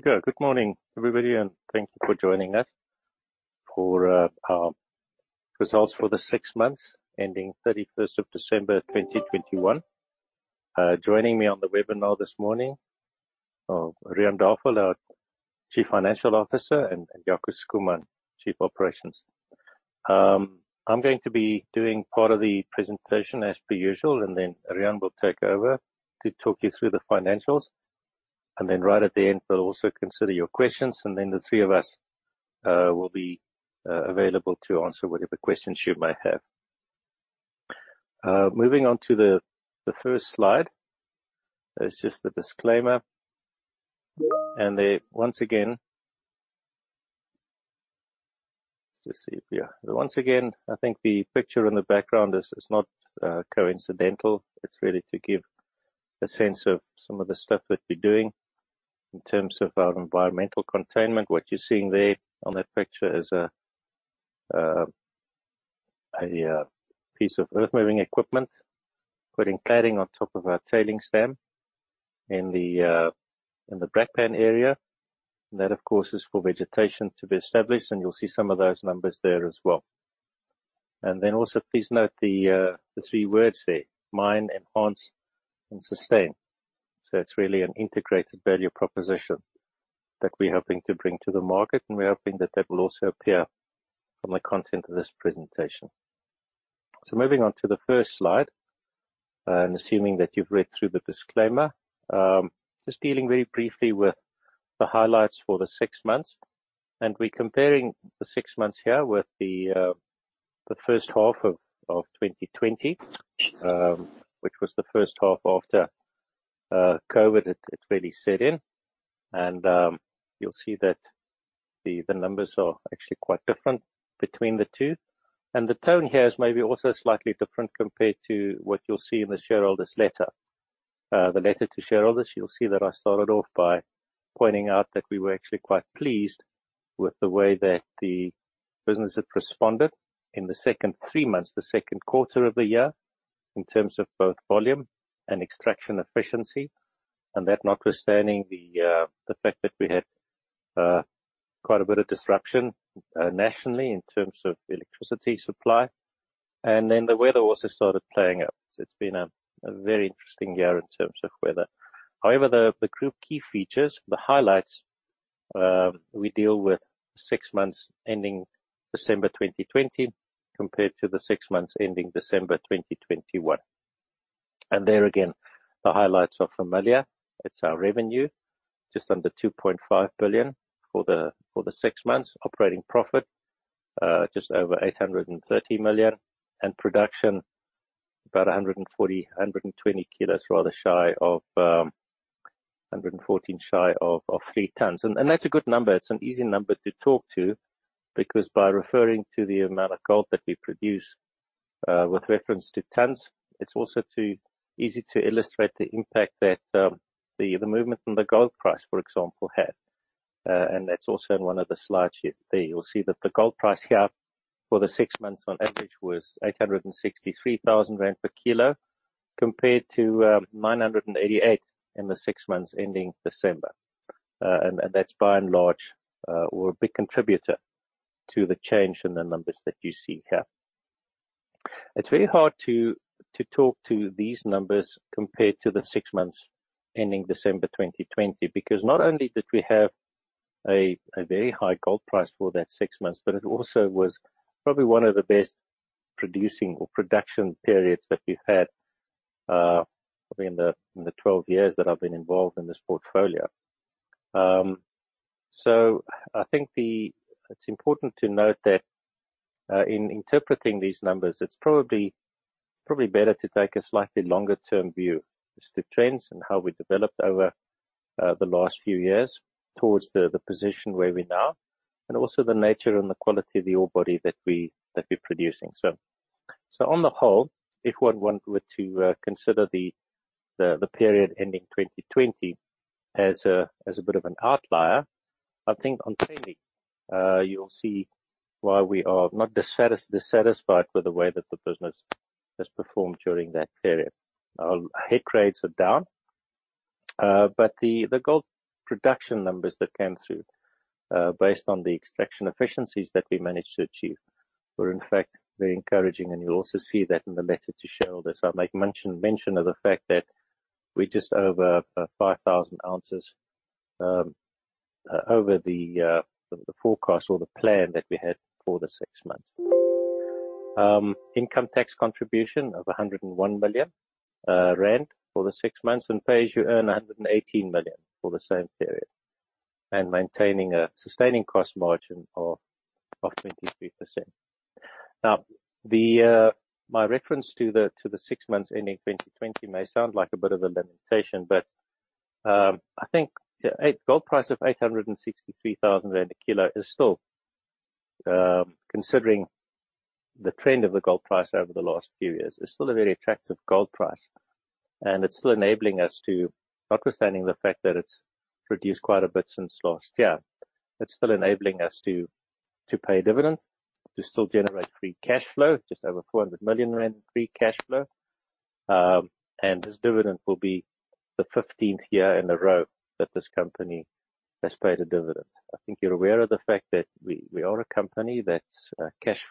Good morning, everybody, and thank you for joining us for our results for the six months ending 31st of December 2021. Joining me on the webinar this morning are Riaan Davel, our Chief Financial Officer, and Jaco Schoeman, Chief Operating Officer. I'm going to be doing part of the presentation as per usual, and then Riaan will take over to talk you through the financials. Right at the end, we'll also consider your questions, and then the three of us will be available to answer whatever questions you may have. Moving on to the first slide. That's just the disclaimer. There once again. Let's just see here. Once again, I think the picture in the background is not coincidental. It's really to give a sense of some of the stuff that we're doing in terms of our environmental containment. What you're seeing there on that picture is a piece of earth-moving equipment putting cladding on top of our tailings dam in the Brakpan area. That, of course, is for vegetation to be established, and you'll see some of those numbers there as well. Then please note the three words there. Mine, enhance, and sustain. It's really an integrated value proposition that we're hoping to bring to the market, and we're hoping that that will also appear from the content of this presentation. Moving on to the first slide, and assuming that you've read through the disclaimer. Just dealing very briefly with the highlights for the six months. We're comparing the six months here with the first half of 2020, which was the first half after COVID had really set in. You'll see that the numbers are actually quite different between the two. The tone here is maybe also slightly different compared to what you'll see in the shareholder's letter. The letter to shareholders, you'll see that I started off by pointing out that we were actually quite pleased with the way that the business had responded in the second three months, the second quarter of the year, in terms of both volume and extraction efficiency. That notwithstanding the fact that we had quite a bit of disruption nationally in terms of electricity supply. Then the weather also started playing up. It's been a very interesting year in terms of weather. The group key features, the highlights, we deal with six months ending December 2020 compared to the six months ending December 2021. There again, the highlights are familiar. It's our revenue, just under 2.5 billion for the six months. Operating profit, just over 830 million. Production, about 2,886 kg, 114 kg shy of 3 tons. That's a good number. It's an easy number to talk to because by referring to the amount of gold that we produce with reference to tons, it's also easy to illustrate the impact that the movement in the gold price, for example, had. That's also in one of the slides you have there. You'll see that the gold price here for the six months on average was 863,000 rand per kg compared to 988,000 in the six months ending December. That's by and large or a big contributor to the change in the numbers that you see here. It's very hard to talk to these numbers compared to the six months ending December 2020, because not only did we have a very high gold price for that six months, but it also was probably one of the best producing or production periods that we've had, probably in the 12 years that I've been involved in this portfolio. I think it's important to note that in interpreting these numbers, it's probably better to take a slightly longer-term view as to trends and how we developed over the last few years towards the position where we're now, and also the nature and the quality of the ore body that we're producing. On the whole, if one were to consider the period ending 2020 as a bit of an outlier, I think on trending you'll see why we are not dissatisfied with the way that the business has performed during that period. Head grades are down, but the gold production numbers that came through based on the extraction efficiencies that we managed to achieve were in fact very encouraging. You'll also see that in the letter to shareholders. I make mention of the fact that we're just over 5,000 ounces over the forecast or the plan that we had for the six months. Income tax contribution of 101 million rand for the six months and Pay As You Earn 118 million for the same period. Maintaining a sustaining cost margin of 23%. Now, my reference to the six months ending 2020 may sound like a bit of a limitation, but I think a gold price of 863,000 rand a kg is still, considering the trend of the gold price over the last few years, is still a very attractive gold price. It's still enabling us to, notwithstanding the fact that it's reduced quite a bit since last year, but still enabling us to pay dividends, to still generate free cash flow, just over 400 million rand free cash flow. This dividend will be the 15th year in a row that this company has paid a dividend. I think you're aware of the fact that we are a company that's cash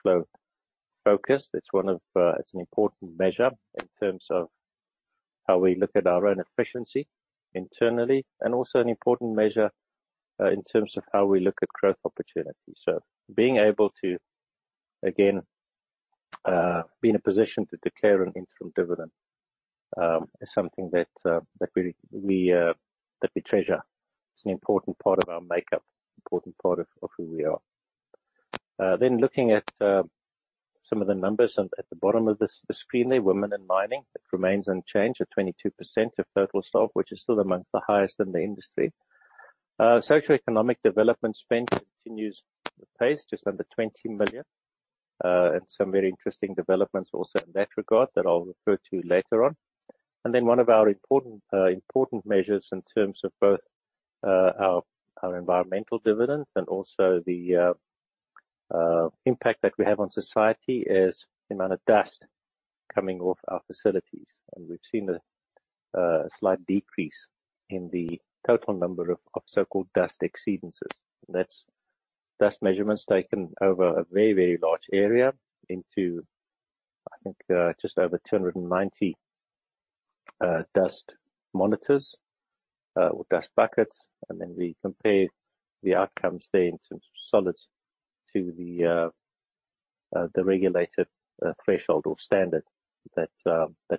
flow focused. It's one of it's an important measure in terms of how we look at our own efficiency internally, and also an important measure in terms of how we look at growth opportunities. Being able to, again, be in a position to declare an interim dividend is something that we treasure. It's an important part of our makeup, important part of who we are. Looking at some of the numbers at the bottom of this screen there, women in mining. It remains unchanged at 22% of total staff, which is still among the highest in the industry. Socioeconomic development spend continues the pace just under 20 million, and some very interesting developments also in that regard that I'll refer to later on. One of our important measures in terms of both our environmental dividend and also the impact that we have on society is the amount of dust coming off our facilities. We've seen a slight decrease in the total number of so-called dust exceedances. That's dust measurements taken over a very, very large area into, I think, just over 290 dust monitors or dust buckets. We compare the outcomes there in terms of solids to the regulated threshold or standard that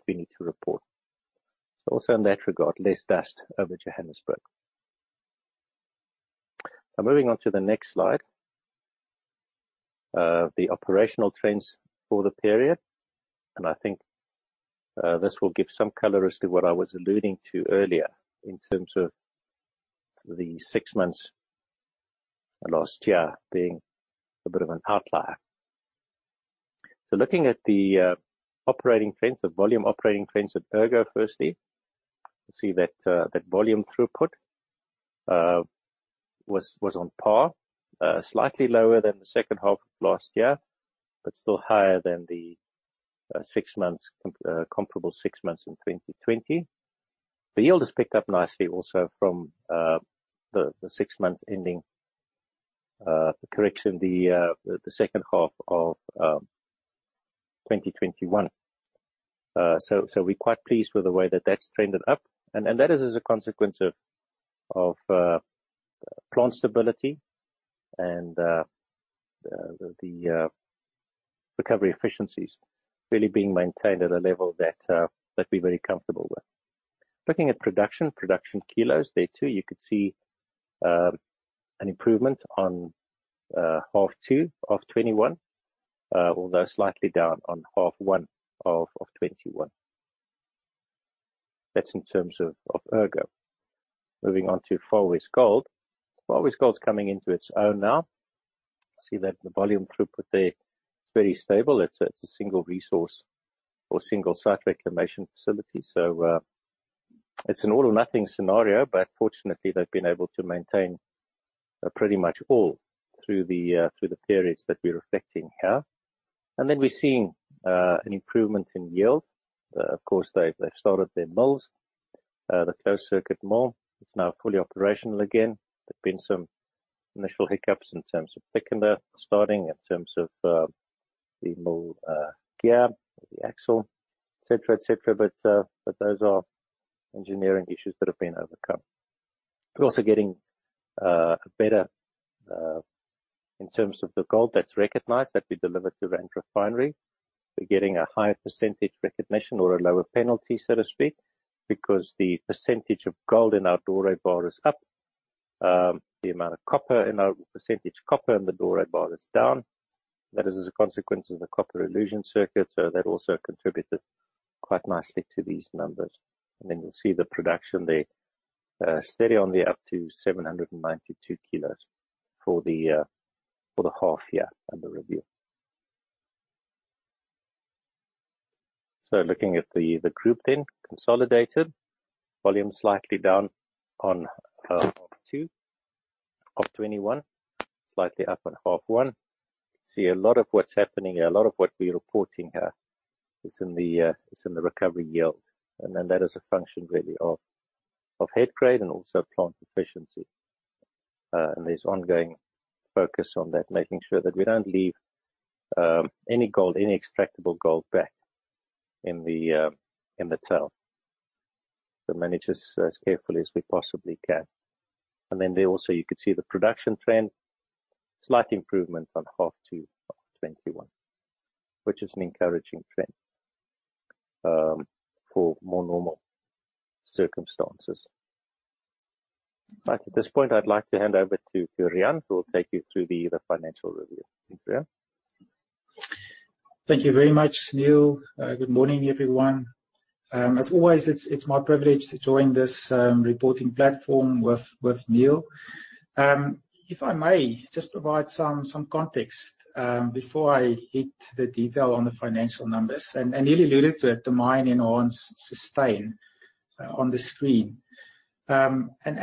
we need to report. Also in that regard, less dust over Johannesburg. Now moving on to the next slide, the operational trends for the period, and I think, this will give some color as to what I was alluding to earlier in terms of the six months last year being a bit of an outlier. Looking at the operating trends, the volume operating trends at Ergo, firstly, you see that volume throughput was on par, slightly lower than the second half of last year, but still higher than the comparable six months in 2020. The yield has picked up nicely also from the second half of 2021. We're quite pleased with the way that that's trended up. That is as a consequence of plant stability and the recovery efficiencies really being maintained at a level that we're very comfortable with. Looking at production kilos there too, you could see an improvement on H2 2021, although slightly down on H1 2021. That's in terms of Ergo. Moving on to Far West Gold Recoveries. Far West Gold Recoveries' coming into its own now. See that the volume throughput there, it's very stable. It's a single resource or single site reclamation facility. It's an all or nothing scenario, but fortunately, they've been able to maintain pretty much all through the periods that we're reflecting here. We're seeing an improvement in yield. Of course, they've started their mills. The closed circuit mill is now fully operational again. There's been some initial hiccups in terms of thickener starting, in terms of the mill gear or the axle, et cetera. Those are engineering issues that have been overcome. We're also getting a better in terms of the gold that's recognized that we deliver to Rand Refinery. We're getting a higher percentage recognition or a lower penalty, so to speak, because the percentage of gold in our doré bar is up. The amount of copper in our percentage copper in the doré bar is down. That is as a consequence of the copper elution circuit, so that also contributed quite nicely to these numbers. Then you'll see the production there steadily on the up to 792 kg for the half year under review. Looking at the group then consolidated. Volume slightly down on half two of 2021, slightly up on half one. You can see a lot of what's happening here, a lot of what we're reporting here is in the recovery yield. Then that is a function really of head grade and also plant efficiency. There's ongoing focus on that, making sure that we don't leave any gold, any extractable gold back in the tail. Manage this as carefully as we possibly can. Then there also you could see the production trend, slight improvement on half two of 2021, which is an encouraging trend for more normal circumstances. At this point, I'd like to hand over to Riaan, who will take you through the financial review. Thanks, Riaan. Thank you very much, Niël. Good morning, everyone. As always, it's my privilege to join this reporting platform with Niël. If I may just provide some context before I hit the detail on the financial numbers. Niël alluded to it, the mine's enhanced sustainability on the screen.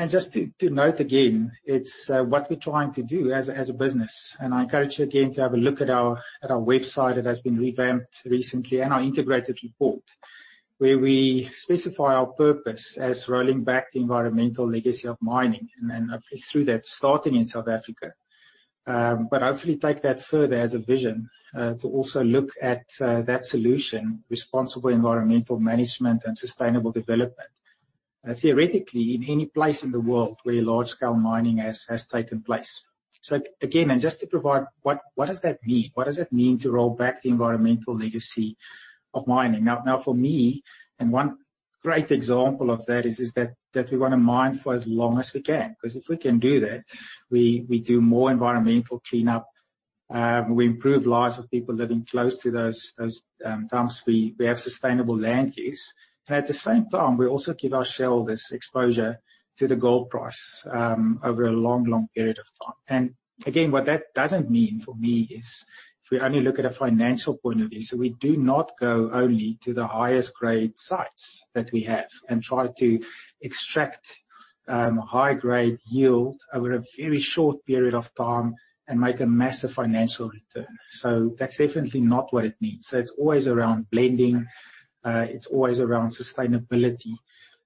Just to note again, it's what we're trying to do as a business, and I encourage you again to have a look at our website. It has been revamped recently in our integrated report where we specify our purpose as rolling back the environmental legacy of mining and hopefully through that, starting in South Africa. Hopefully take that further as a vision to also look at that solution, responsible environmental management and sustainable development, theoretically in any place in the world where large scale mining has taken place. Just to provide what does that mean? What does that mean to roll back the environmental legacy of mining? Now for me, and one great example of that is that we wanna mine for as long as we can 'cause if we can do that, we do more environmental cleanup, we improve lives of people living close to those dumps. We have sustainable land use, and at the same time, we also give our shareholders exposure to the gold price over a long period of time. Again, what that doesn't mean for me is if we only look at a financial point of view, so we do not go only to the highest grade sites that we have and try to extract high-grade yield over a very short period of time and make a massive financial return. That's definitely not what it means. It's always around blending. It's always around sustainability.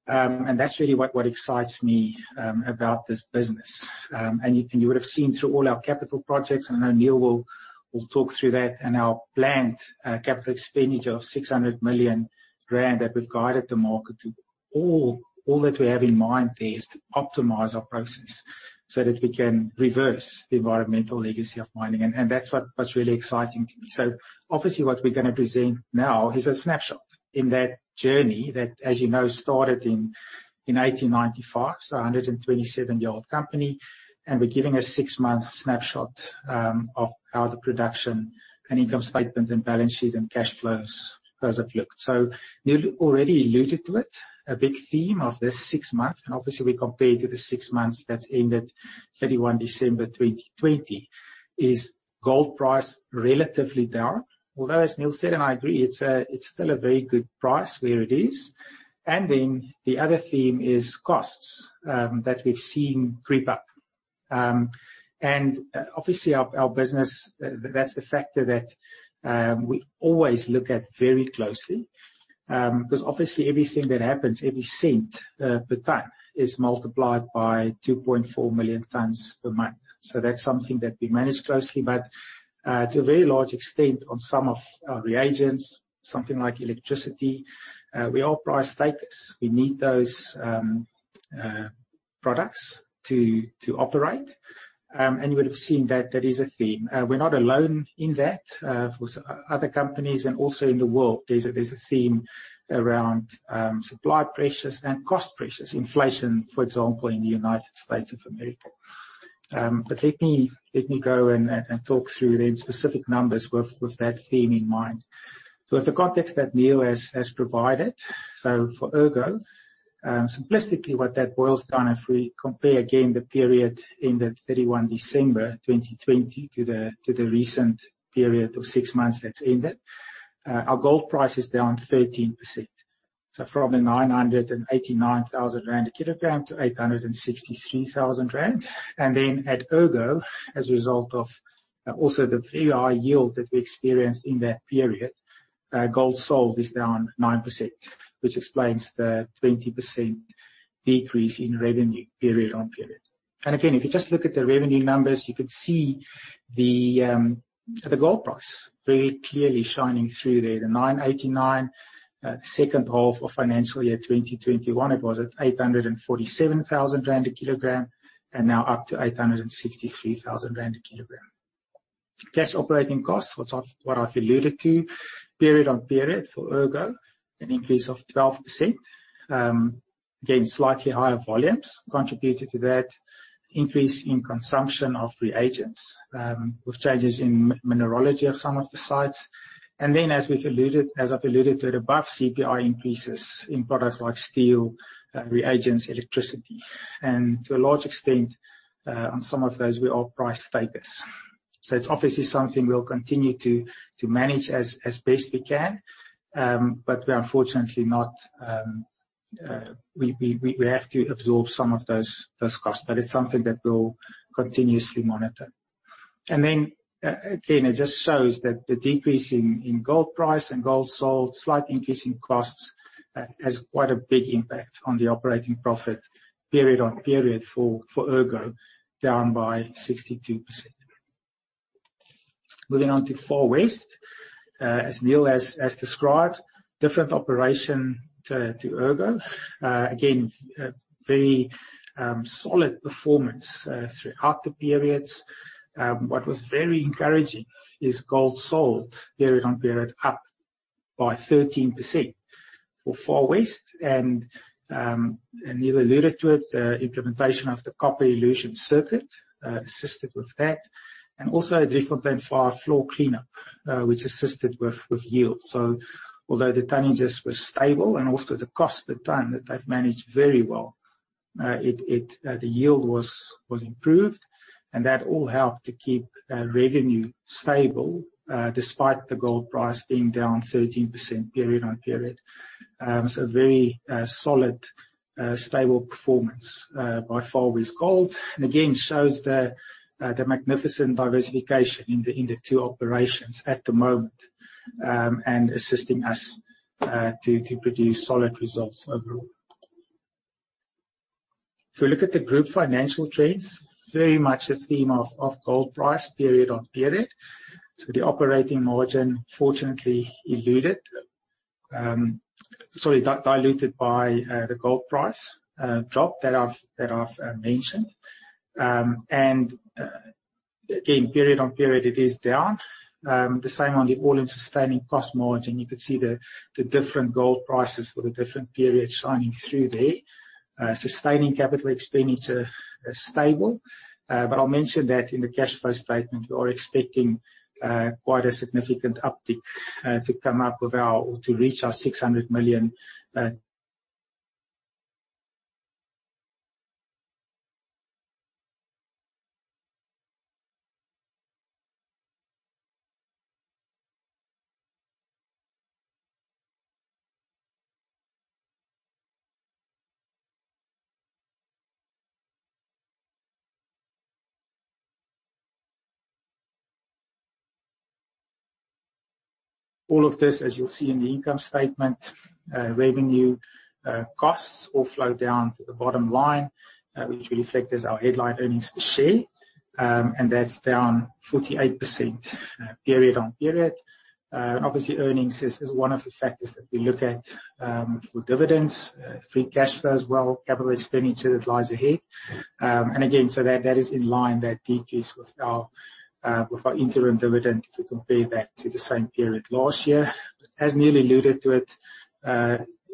That's really what excites me about this business. You would have seen through all our capital projects, and I know Niël will talk through that in our planned capital expenditure of 600 million rand that we've guided the market to. All that we have in mind there is to optimize our process so that we can reverse the environmental legacy of mining. That's what's really exciting to me. Obviously what we're gonna present now is a snapshot in that journey that, as you know, started in 1895, so a 127-year-old company, and we're giving a six-month snapshot of how the production and income statement and balance sheet and cash flows as it looked. Niël already alluded to it. A big theme of this six months, and obviously we compare to the six months that's ended 31st December, 2020, is gold price relatively down. Although as Niël said, and I agree, it's still a very good price where it is. Then the other theme is costs that we've seen creep up. Obviously our business, that's the factor that we always look at very closely, 'cause obviously everything that happens, every cent per ton is multiplied by 2.4 million tons per month. That's something that we manage closely, but to a very large extent on some of our reagents, something like electricity, we are price takers. We need those products to operate. You would've seen that is a theme. We're not alone in that. For other companies and also in the world, there's a theme around supply pressures and cost pressures, inflation, for example, in the United States of America. Let me go and talk through the specific numbers with that theme in mind. With the context that Niël has provided, for Ergo, simplistically, what that boils down, if we compare again the period ended 31 December, 2020 to the recent period of six months that's ended, our gold price is down 13%. From the 989,000 rand a kg to 863,000 rand. At Ergo, as a result of also the very high yield that we experienced in that period, gold sold is down 9%, which explains the 20% decrease in revenue period on period. If you just look at the revenue numbers, you could see the gold price very clearly shining through there. The 989,000, second half of financial year 2021, it was at 847,000 rand a kg, and now up to 863,000 rand a kg. Cash operating costs, what I've alluded to. Period-on-period for Ergo, an increase of 12%. Again, slightly higher volumes contributed to that. Increase in consumption of reagents, with changes in mineralogy of some of the sites. As I've alluded to, above CPI increases in products like steel, reagents, electricity. To a large extent, on some of those, we are price takers. It's obviously something we'll continue to manage as best we can. We are fortunately not, we have to absorb some of those costs, but it's something that we'll continuously monitor. Again, it just shows that the decrease in gold price and gold sold, slight increase in costs, has quite a big impact on the operating profit period-on-period for Ergo, down by 62%. Moving on to Far West. As Niël has described, different operation to Ergo. Again, a very solid performance throughout the periods. What was very encouraging is gold sold period-on-period up by 13% for Far West. Niël alluded to it, the implementation of the copper elution circuit assisted with that. Also at Driefontein, Far West floor clean-up, which assisted with yield. Although the tonnages were stable and also the cost per ton that they've managed very well, the yield was improved, and that all helped to keep revenue stable despite the gold price being down 13% period-on-period. Very solid, stable performance by Far West Gold. Again, shows the magnificent diversification in the two operations at the moment and assisting us to produce solid results overall. If you look at the group financial trends, very much the theme of gold price period-on-period. The operating margin fortunately diluted by the gold price drop that I've mentioned. Again, period-on-period it is down. The same on the all-in sustaining cost margin. You could see the different gold prices for the different periods shining through there. Sustaining capital expenditure is stable. I'll mention that in the cash flow statement, we are expecting quite a significant uptick to reach our ZAR 600 million. All of this, as you'll see in the income statement, revenue, costs all flow down to the bottom line, which reflect as our headline earnings per share. That's down 48% period-on-period. Obviously earnings is one of the factors that we look at for dividends, free cash flow as well, capital expenditure that lies ahead. That is in line, that decrease with our interim dividend if we compare back to the same period last year. As Niël alluded to it,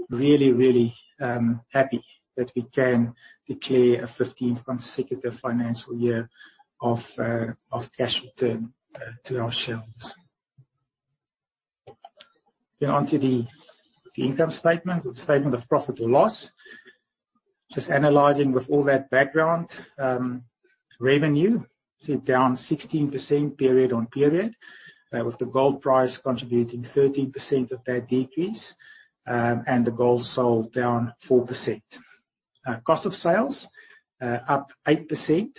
really happy that we can declare a fifteenth consecutive financial year of cash return to our shareholders. Onto the income statement, or the statement of profit or loss. Just analyzing with all that background, revenue is down 16% period-on-period, with the gold price contributing 13% of that decrease, and the gold sold down 4%. Cost of sales up 8%,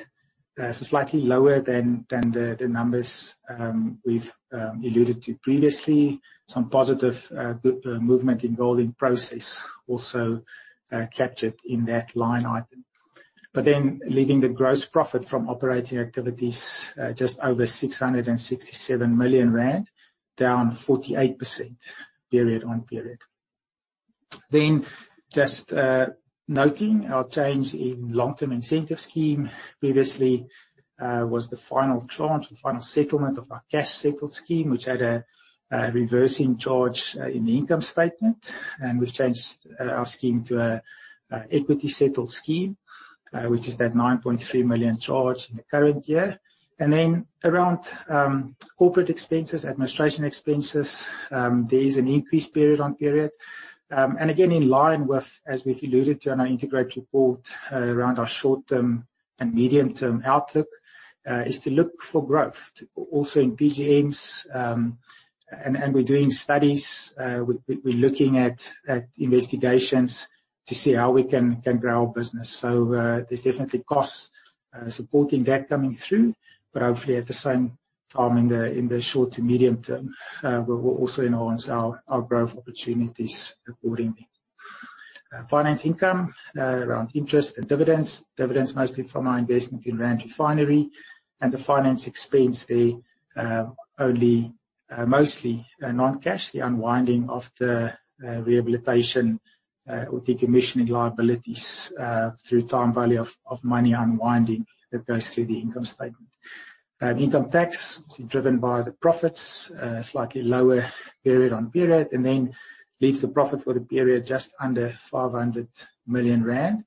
slightly lower than the numbers we've alluded to previously. Some positive movement in gold in process also captured in that line item. Leaving the gross profit from operating activities just over 667 million rand, down 48% period-on-period. Just noting our change in long-term incentive scheme. Previously, was the final tranche, the final settlement of our cash settled scheme, which had a reversing charge in the income statement, and we've changed our scheme to a equity settled scheme, which is that 9.3 million charge in the current year. Then around corporate expenses, administration expenses, there is an increase period-on-period. Again, in line with, as we've alluded to in our integrated report around our short-term and medium-term outlook, is to look for growth also in PGMs, and we're doing studies, we're looking at investigations to see how we can grow our business. There's definitely costs supporting that coming through, but hopefully at the same time in the short to medium term, we'll also enhance our growth opportunities accordingly. Finance income around interest and dividends. Dividends mostly from our investment in Rand Refinery and the finance expense there, only mostly non-cash, the unwinding of the rehabilitation or decommissioning liabilities through time value of money unwinding that goes through the income statement. Income tax is driven by the profits, slightly lower period-on-period, and then leaves the profit for the period just under 500 million rand.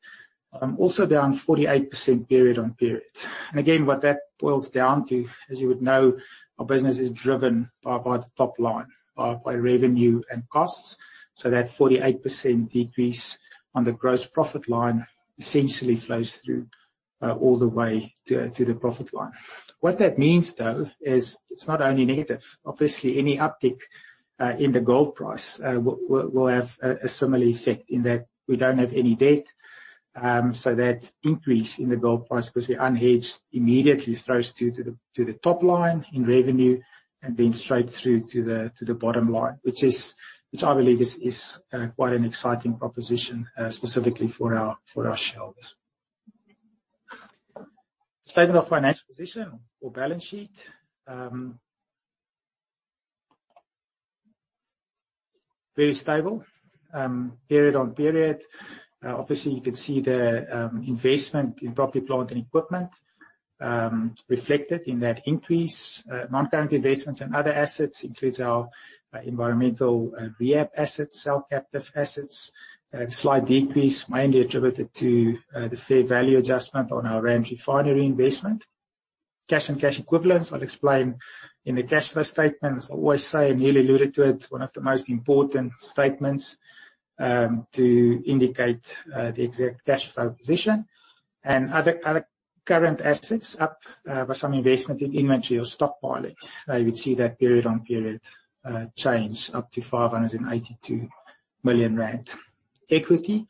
Also down 48% period-on-period. Again, what that boils down to, as you would know, our business is driven by the top line, by revenue and costs. That 48% decrease on the gross profit line essentially flows through all the way to the profit line. What that means though is it's not only negative. Obviously, any uptick in the gold price will have a similar effect in that we don't have any debt. So that increase in the gold price, because we're unhedged, immediately flows through to the top line in revenue and then straight through to the bottom line. Which I believe is quite an exciting proposition, specifically for our shareholders. Statement of financial position or balance sheet, very stable period-on-period. Obviously you could see the investment in property, plant and equipment reflected in that increase. Non-current investments and other assets includes our environmental rehab assets, cell captive assets. A slight decrease mainly attributed to the fair value adjustment on our Rand Refinery investment. Cash and cash equivalents, I'll explain in the cash flow statement. As I always say, and Niël alluded to it, one of the most important statements to indicate the exact cash flow position and other current assets up with some investment in inventory or stockpiling. Now you would see that period-on-period change up to 582 million rand. Equity,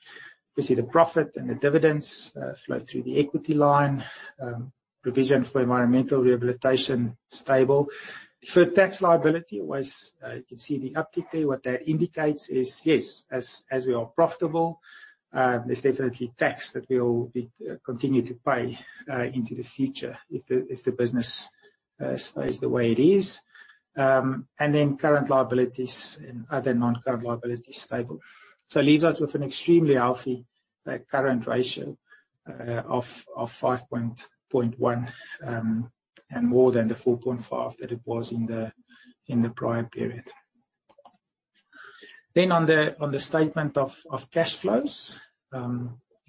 you see the profit and the dividends flow through the equity line. Provision for environmental rehabilitation, stable. Deferred tax liability was, you can see the uptick there. What that indicates is, yes, as we are profitable, there's definitely tax that we will continue to pay into the future if the business stays the way it is. Current liabilities and other non-current liabilities, stable. It leaves us with an extremely healthy current ratio of 5.1 and more than the 4.5 that it was in the prior period. On the statement of cash flows,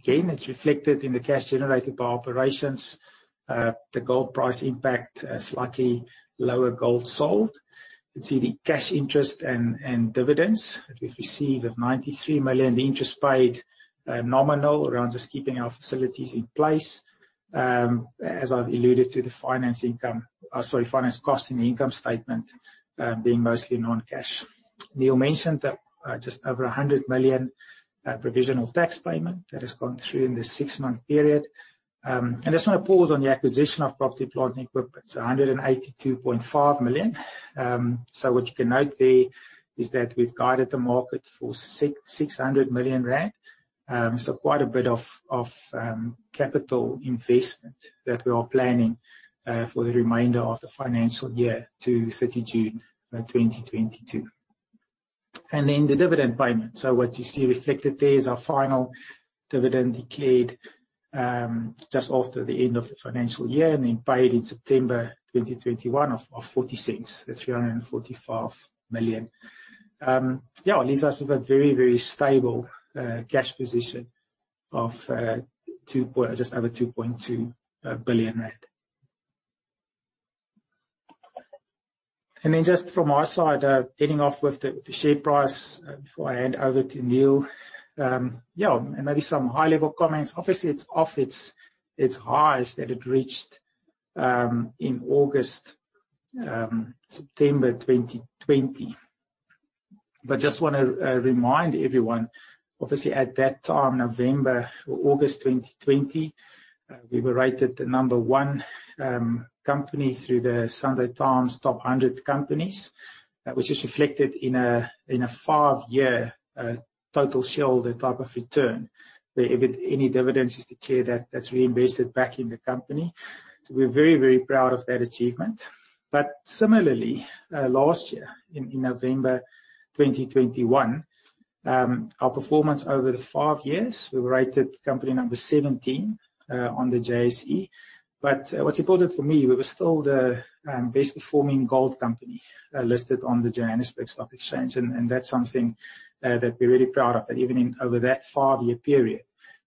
it's reflected in the cash generated by operations, the gold price impact, slightly lower gold sold. You can see the cash interest and dividends that we've received of 93 million. The interest paid, nominal around just keeping our facilities in place, as I've alluded to the finance income. Sorry, finance cost in the income statement, being mostly non-cash. Niël mentioned that, just over 100 million provisional tax payment that has gone through in this six-month period. I just wanna pause on the acquisition of property, plant, and equipment, 182.5 million. What you can note there is that we've guided the market for 600 million rand. Quite a bit of capital investment that we are planning for the remainder of the financial year to 30 June, 2022. Then the dividend payment. What you see reflected there is our final dividend declared just after the end of the financial year, and then paid in September 2021 of 0.40 at 345 million. Yeah, it leaves us with a very, very stable cash position of just over 2.2 billion rand. Then just from our side, heading off with the share price before I hand over to Niël. Yeah, maybe some high-level comments. Obviously, it's off its highs that it reached in August, September 2020. Just wanna remind everyone, obviously at that time, November or August 2020, we were rated the number one company through the Sunday Times Top 100 Companies. Which is reflected in a five-year total shareholder type of return. Where if any dividends is declared, that's reinvested back in the company. We're very, very proud of that achievement. Similarly, last year in November 2021, our performance over the five years, we were rated company number 17 on the JSE. What's important for me, we were still the best performing gold company listed on the Johannesburg Stock Exchange. That's something that we're really proud of, that even over that five-year period,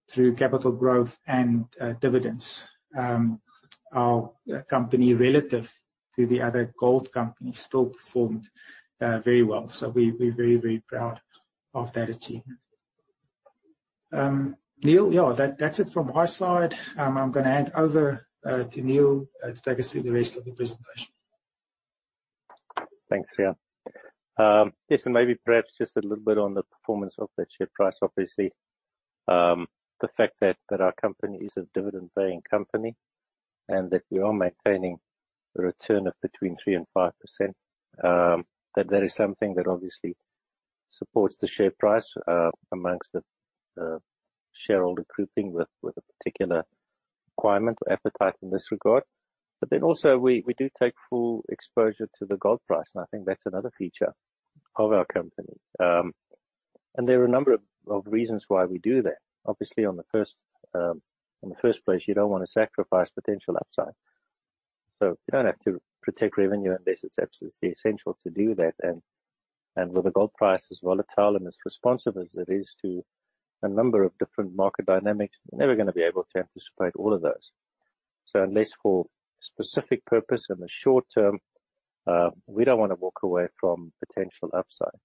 through capital growth and dividends, our company relative to the other gold companies still performed very well. We're very, very proud of that achievement. Niël, yeah. That's it from my side. I'm gonna hand over to Niël to take us through the rest of the presentation. Thanks, Riaan. Yes, maybe perhaps just a little bit on the performance of that share price, obviously. The fact that our company is a dividend-paying company and that we are maintaining a return of between 3%-5%. That is something that obviously supports the share price amongst the shareholder grouping with a particular requirement or appetite in this regard. Also we do take full exposure to the gold price, and I think that's another feature of our company. There are a number of reasons why we do that. Obviously, in the first place, you don't wanna sacrifice potential upside. You don't have to protect revenue unless it's absolutely essential to do that. With the gold price as volatile and as responsive as it is to a number of different market dynamics, we're never gonna be able to anticipate all of those. Unless for specific purpose in the short term, we don't wanna walk away from potential upside.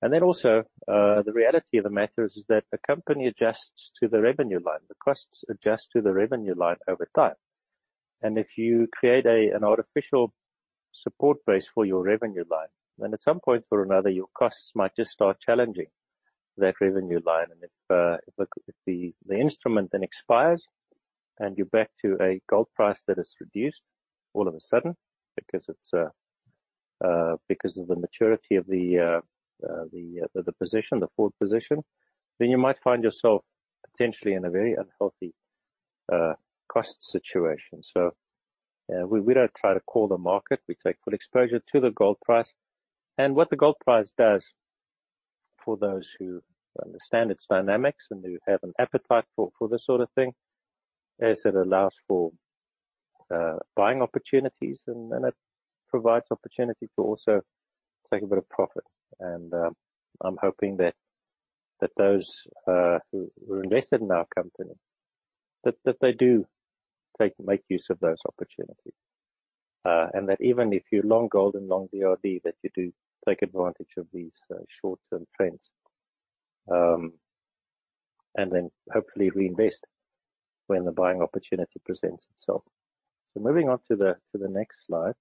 The reality of the matter is that the company adjusts to the revenue line. The costs adjust to the revenue line over time. If you create an artificial support base for your revenue line, then at some point or another, your costs might just start challenging that revenue line. If the instrument then expires and you're back to a gold price that is reduced all of a sudden because of the maturity of the position, the forward position, then you might find yourself potentially in a very unhealthy cost situation. We don't try to call the market, we take full exposure to the gold price. What the gold price does for those who understand its dynamics and who have an appetite for this sort of thing is it allows for buying opportunities and it provides opportunity to also take a bit of profit. I'm hoping that those who invested in our company, that they do make use of those opportunities. That even if you long gold and long DRD, that you do take advantage of these short-term trends, and then hopefully reinvest when the buying opportunity presents itself. Moving on to the next slide,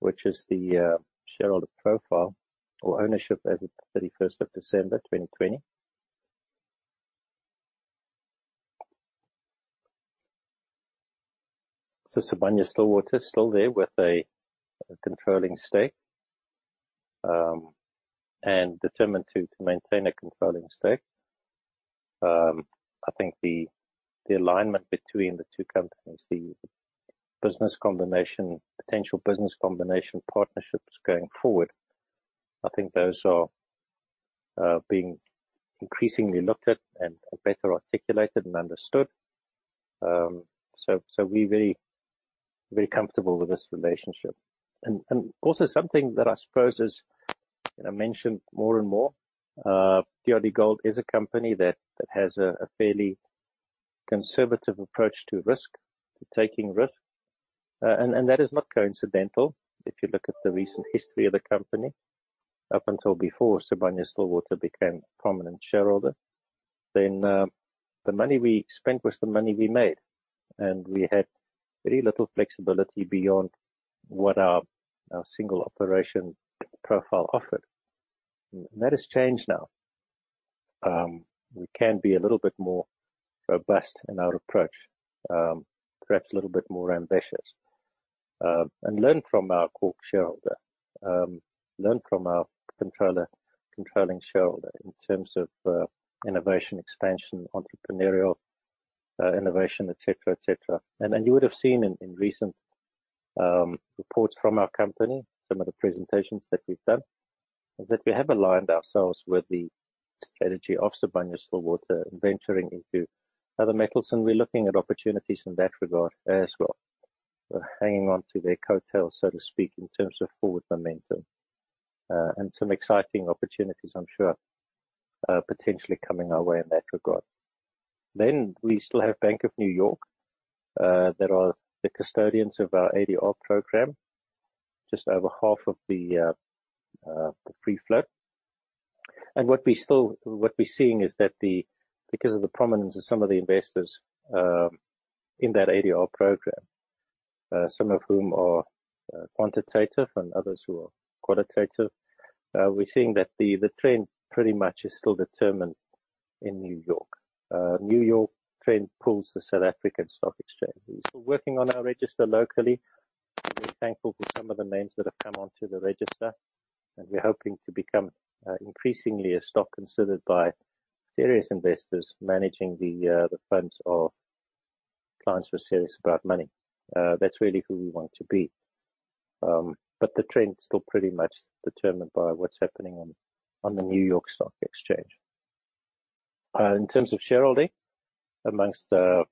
which is the shareholder profile or ownership as at 31 December, 2020. Sibanye-Stillwater is still there with a controlling stake and determined to maintain a controlling stake. I think the alignment between the two companies, the business combination potential business combination partnerships going forward, I think those are being increasingly looked at and better articulated and understood. So we're very, very comfortable with this relationship. Also something that I suppose is, you know, mentioned more and more, DRDGOLD is a company that has a fairly conservative approach to risk, to taking risk. That is not coincidental if you look at the recent history of the company. Up until before Sibanye-Stillwater became a prominent shareholder, then, the money we spent was the money we made, and we had very little flexibility beyond what our single operation profile offered. That has changed now. We can be a little bit more robust in our approach, perhaps a little bit more ambitious, and learn from our core shareholder. Learn from our controlling shareholder in terms of innovation, expansion, entrepreneurial innovation, et cetera, et cetera. You would have seen in recent reports from our company, some of the presentations that we've done, is that we have aligned ourselves with the strategy of Sibanye-Stillwater venturing into other metals, and we're looking at opportunities in that regard as well. We're hanging on to their coattails, so to speak, in terms of forward momentum. Some exciting opportunities, I'm sure, are potentially coming our way in that regard. We still have Bank of New York Mellon that are the custodians of our ADR program, just over half of the free float. What we're seeing is that because of the prominence of some of the investors in that ADR program, some of whom are quantitative and others who are qualitative, we're seeing that the trend pretty much is still determined in New York. New York trend pulls the South African Stock Exchange. We're still working on our register locally. We're very thankful for some of the names that have come onto the register, and we're hoping to become increasingly a stock considered by serious investors managing the funds of clients who are serious about money. That's really who we want to be. The trend is still pretty much determined by what's happening on the New York Stock Exchange in terms of shareholding amongst the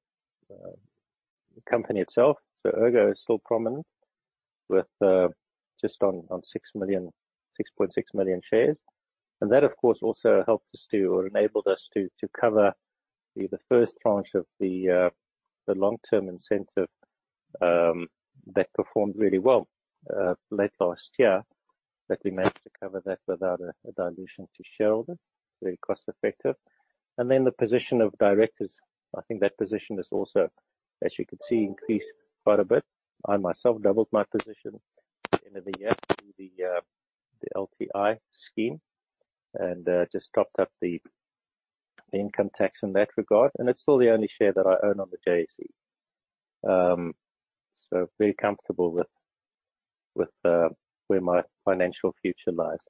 company itself. Ergo is still prominent with just on 6.6 million shares. That of course also helped us to or enabled us to cover the first tranche of the long-term incentive that performed really well late last year. That we managed to cover that without a dilution to shareholders. Very cost-effective. The position of directors, I think that position has also, as you can see, increased quite a bit. I myself doubled my position at the end of the year through the LTI scheme and just topped up the income tax in that regard. It's still the only share that I own on the JSE. Very comfortable with where my financial future lies.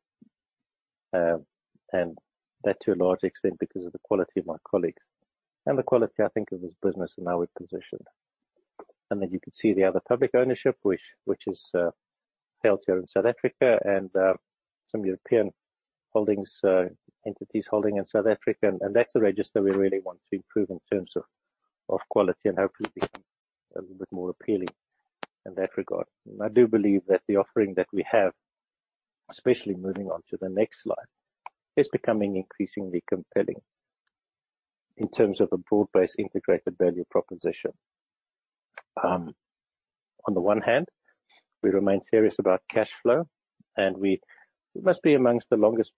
That to a large extent because of the quality of my colleagues and the quality I think of this business and how we're positioned. You can see the other public ownership which is held here in South Africa and some European holdings, entities holding in South Africa. That's the register we really want to improve in terms of quality and hopefully become a little bit more appealing in that regard. I do believe that the offering that we have, especially moving on to the next slide, is becoming increasingly compelling in terms of a broad-based integrated value proposition. On the one hand, we remain serious about cash flow, and we must be among the longest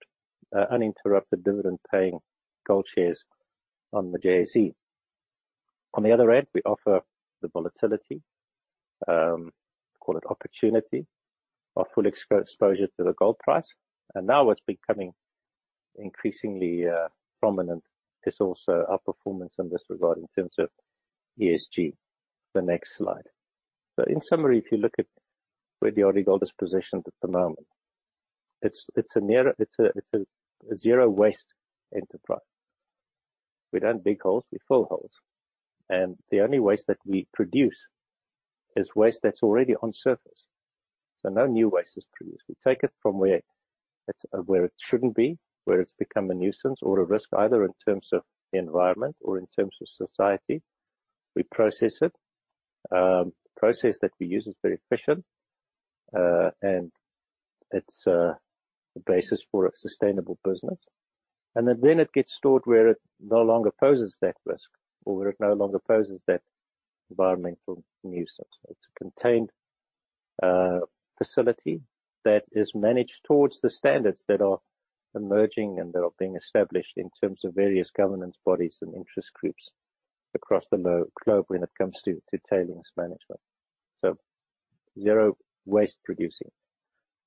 uninterrupted dividend-paying gold shares on the JSE. On the other hand, we offer the volatility, call it opportunity or full exposure to the gold price. Now what's becoming increasingly prominent is also our performance in this regard in terms of ESG. The next slide. In summary, if you look at where DRDGOLD is positioned at the moment, it's a zero waste enterprise. We don't dig holes, we fill holes. The only waste that we produce is waste that's already on surface. No new waste is produced. We take it from where it shouldn't be, where it's become a nuisance or a risk, either in terms of the environment or in terms of society. We process it. The process that we use is very efficient, and it's the basis for a sustainable business. Then it gets stored where it no longer poses that risk or where it no longer poses that environmental nuisance. It's a contained facility that is managed towards the standards that are emerging and that are being established in terms of various governance bodies and interest groups across the globe when it comes to tailings management. Zero waste producing.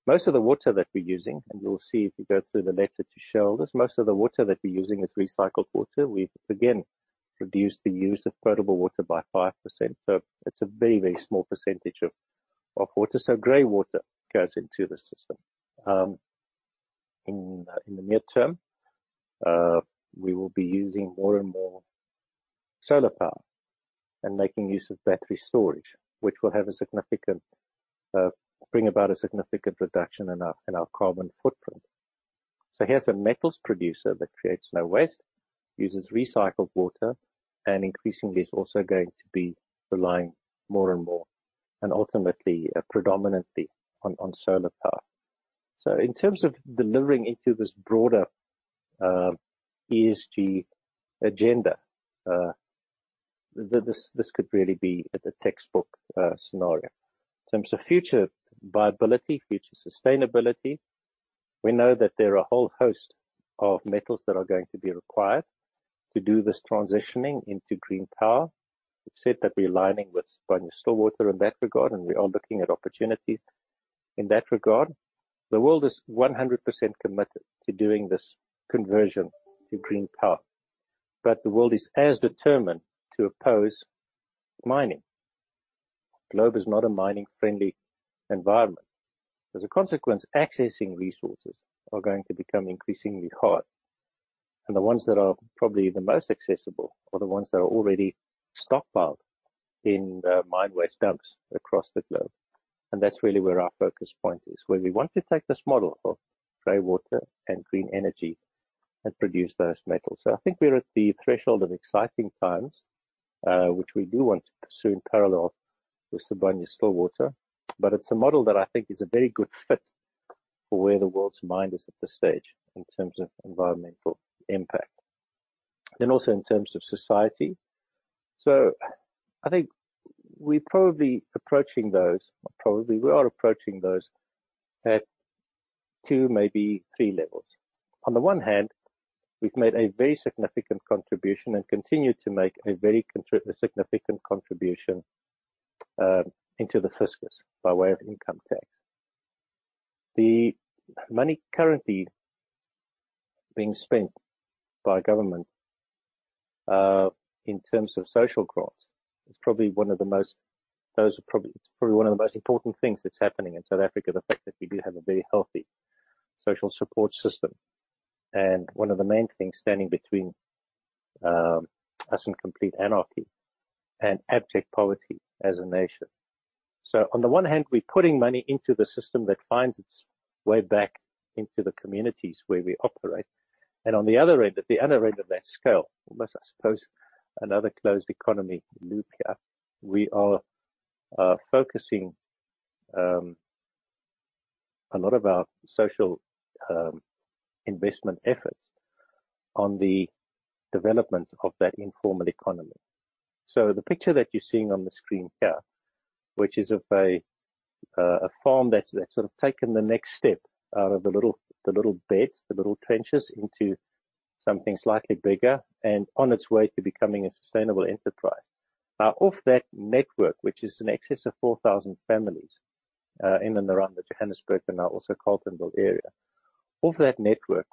Most of the water that we're using, and you'll see if you go through the letter to shareholders, most of the water that we're using is recycled water. We've again reduced the use of potable water by 5%. It's a very, very small percentage of water. Greywater goes into the system. In the near term, we will be using more and more solar power and making use of battery storage, which will bring about a significant reduction in our carbon footprint. Here's a metals producer that creates no waste, uses recycled water, and increasingly is also going to be relying more and more and ultimately, predominantly on solar power. In terms of delivering into this broader ESG agenda, this could really be a textbook scenario. In terms of future viability, future sustainability, we know that there are a whole host of metals that are going to be required to do this transitioning into green power. We've said that we're aligning with Sibanye-Stillwater in that regard, and we are looking at opportunities in that regard. The world is 100% committed to doing this conversion to green power, but the world is as determined to oppose mining. Globe is not a mining-friendly environment. As a consequence, accessing resources are going to become increasingly hard, and the ones that are probably the most accessible are the ones that are already stockpiled in the mine waste dumps across the globe. That's really where our focus point is, where we want to take this model of greywater and green energy and produce those metals. I think we're at the threshold of exciting times, which we do want to pursue in parallel with Sibanye-Stillwater. It's a model that I think is a very good fit for where the world's mind is at this stage in terms of environmental impact and also in terms of society. I think we are approaching those at two, maybe three levels. On the one hand, we've made a very significant contribution and continue to make a significant contribution into the fiscus by way of income tax. The money currently being spent by government in terms of social grants is probably one of the most important things that's happening in South Africa, the fact that we do have a very healthy social support system, and one of the main things standing between us and complete anarchy and abject poverty as a nation. On the one hand, we're putting money into the system that finds its way back into the communities where we operate. On the other end, at the other end of that scale, almost, I suppose, another closed economy loop here, we are focusing a lot of our social investment efforts on the development of that informal economy. The picture that you're seeing on the screen here, which is of a farm that's sort of taken the next step out of the little beds, the little trenches into something slightly bigger and on its way to becoming a sustainable enterprise. Of that network, which is in excess of 4,000 families, in and around the Johannesburg and now also Carletonville area. Of that network,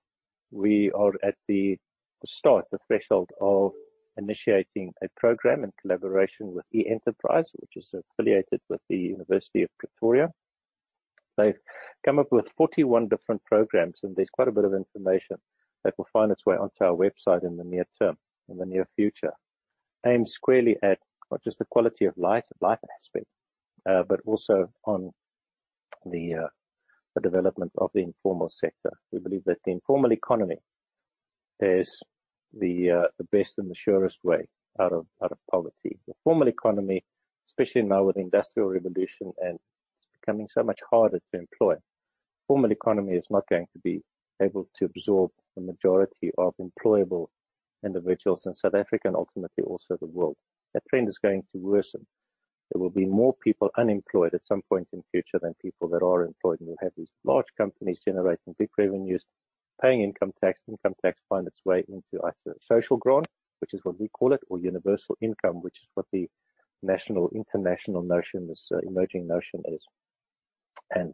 we are at the start, the threshold of initiating a program in collaboration with Enterprises, which is affiliated with the University of Pretoria. They've come up with 41 different programs, and there's quite a bit of information that will find its way onto our website in the near term, in the near future, aimed squarely at not just the quality of life aspect, but also on the development of the informal sector. We believe that the informal economy is the best and the surest way out of poverty. The formal economy, especially now with industrial revolution and it's becoming so much harder to employ, formal economy is not going to be able to absorb the majority of employable individuals in South Africa and ultimately also the world. That trend is going to worsen. There will be more people unemployed at some point in future than people that are employed. You'll have these large companies generating big revenues, paying income tax. Income tax find its way into either social grant, which is what we call it, or universal income, which is what the national, international notion, this emerging notion is.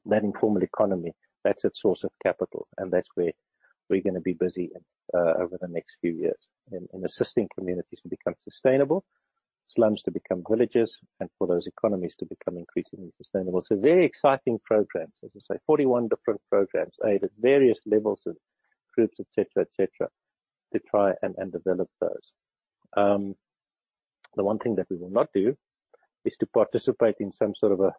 That informal economy, that's its source of capital, and that's where we're gonna be busy over the next few years in assisting communities to become sustainable, slums to become villages, and for those economies to become increasingly sustainable. Very exciting programs. As I say, 41 different programs aimed at various levels of groups, et cetera, to try and develop those. The one thing that we will not do is to participate in some sort of a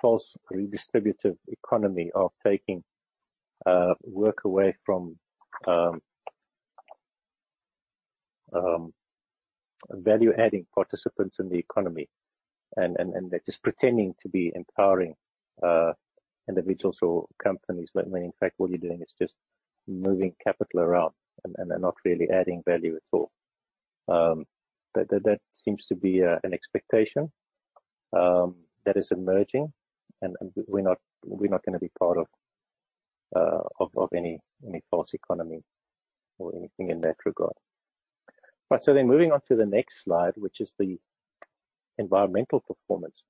false redistributive economy of taking work away from value-adding participants in the economy and they're just pretending to be empowering individuals or companies when in fact what you're doing is just moving capital around and they're not really adding value at all. That seems to be an expectation that is emerging and we're not gonna be part of any false economy or anything in that regard. Right. Moving on to the next slide, which is the environmental performance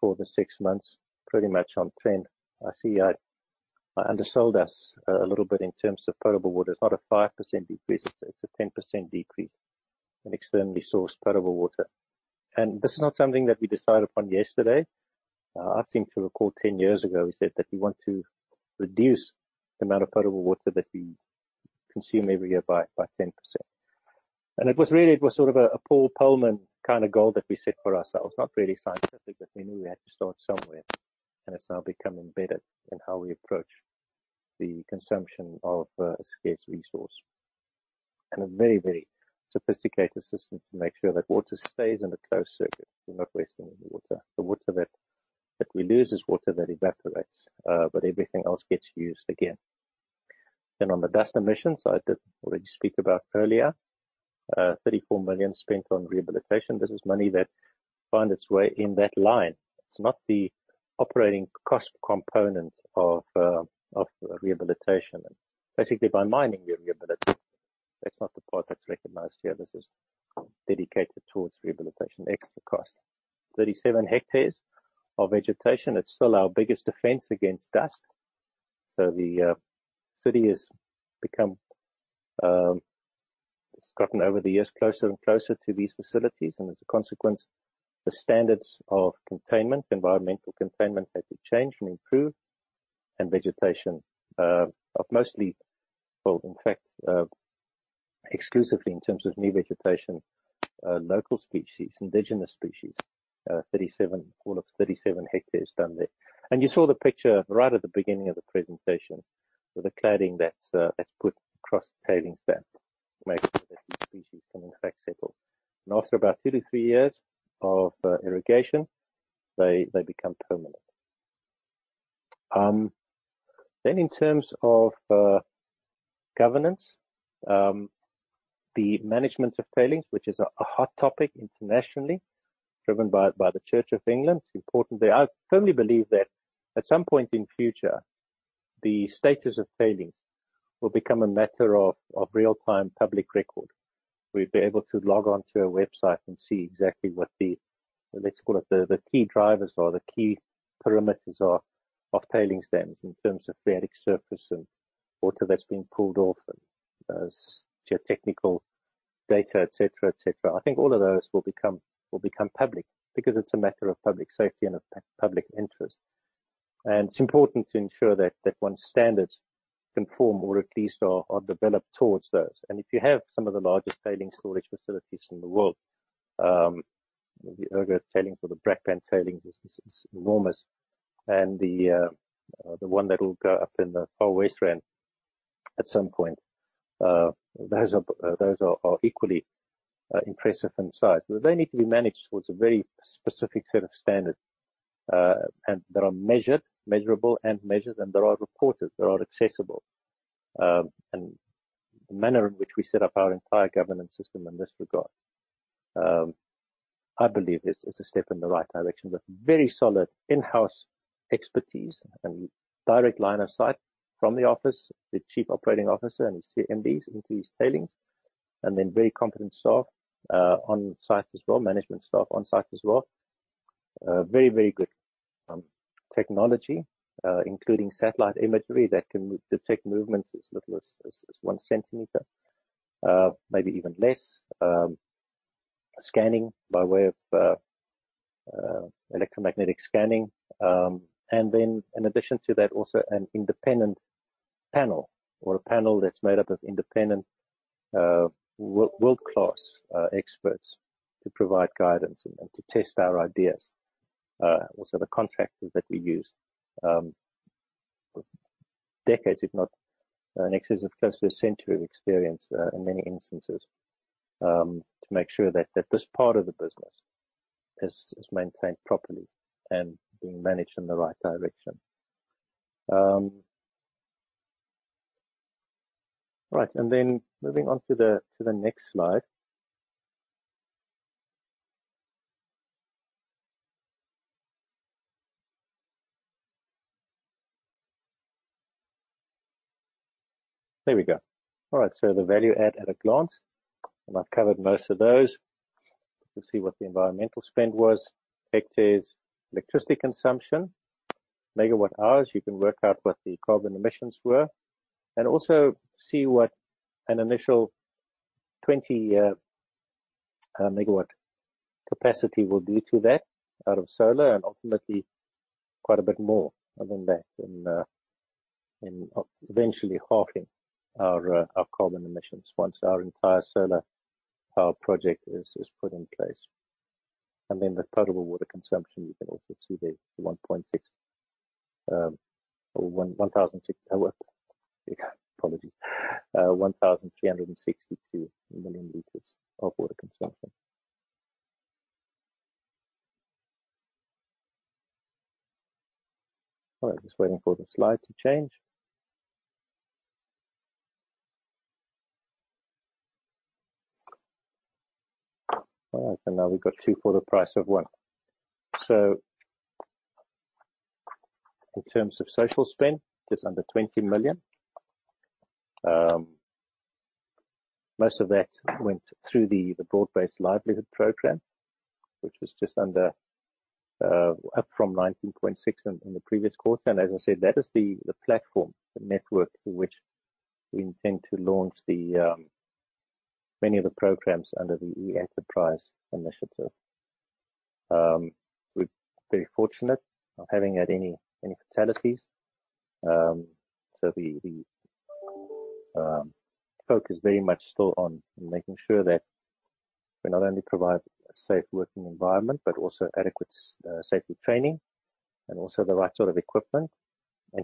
for the six months, pretty much on trend. I see, I undersold us a little bit in terms of potable water. It's not a 5% decrease, it's a 10% decrease in externally sourced potable water. This is not something that we decided upon yesterday. I seem to recall 10 years ago we said that we want to reduce the amount of potable water that we consume every year by 10%. It was sort of a Paul Polman kind of goal that we set for ourselves. Not very scientific, but we knew we had to start somewhere, and it's now become embedded in how we approach the consumption of a scarce resource. A very, very sophisticated system to make sure that water stays in a closed circuit. We're not wasting any water. The water that we lose is water that evaporates, but everything else gets used again. Then on the dust emissions side that I already speak about earlier, 34 million spent on rehabilitation. This is money that find its way in that line. It's not the operating cost component of rehabilitation. Basically by mining, we rehabilitate. That's not the part that's recognized here. This is dedicated towards rehabilitation, the extra cost. 37 hectares of vegetation. It's still our biggest defense against dust. The city has become, it's gotten over the years closer and closer to these facilities, and as a consequence, the standards of containment, environmental containment had to change and improve. Vegetation, well, in fact, exclusively in terms of new vegetation, local species, indigenous species, all of 37 hectares done there. You saw the picture right at the beginning of the presentation with the cladding that's put across tailings dam to make sure that these species can in fact settle. After about two-three years of irrigation, they become permanent. Then in terms of governance, the management of tailings, which is a hot topic internationally driven by the Church of England. It's important. I firmly believe that at some point in future, the status of tailings will become a matter of real-time public record. We'll be able to log on to a website and see exactly what the key drivers or the key parameters are of tailings dams in terms of phreatic surface and water that's being pulled off and geotechnical data, et cetera. I think all of those will become public because it's a matter of public safety and of public interest. It's important to ensure that one's standards conform or at least are developed towards those. If you have some of the largest tailings storage facilities in the world, the Ergo tailings or the Brakpan tailings is enormous and the one that will go up in the Far West Rand at some point, those are equally impressive in size. They need to be managed towards a very specific set of standards, and that are measured, measurable and measured, and that are reported, that are accessible. The manner in which we set up our entire governance system in this regard, I believe is a step in the right direction. With very solid in-house expertise and direct line of sight from the office, the Chief Operating Officer and his three MDs into his tailings. Very competent staff on site as well, management staff on site as well. Very good technology, including satellite imagery that can detect movements as little as 1 cm, maybe even less. Scanning by way of electromagnetic scanning. In addition to that, also an independent panel or a panel that's made up of independent world-class experts to provide guidance and to test our ideas. Also the contractors that we use, decades, if not in excess of close to a century of experience, in many instances, to make sure that this part of the business is maintained properly and being managed in the right direction. All right. Moving on to the next slide. There we go. All right. The value add at a glance, and I've covered most of those. You'll see what the environmental spend was. Hectares, electricity consumption, MWh. You can work out what the carbon emissions were and also see what an initial 20 MW capacity will do to that out of solar and ultimately quite a bit more other than that in eventually halving our carbon emissions once our entire solar power project is put in place. Then the potable water consumption, you can also see there 1,362 million L of water consumption. All right. Just waiting for the slide to change. All right. Now we've got two for the price of one. In terms of social spend, just under 20 million. Most of that went through the broad-based livelihood program, which was just under up from 19.6 million in the previous quarter. As I said, that is the platform, the network through which we intend to launch the many of the programs under the Enterprise initiative. We're very fortunate of having had any fatalities. Focus very much still on making sure that we not only provide a safe working environment, but also adequate safety training and also the right sort of equipment.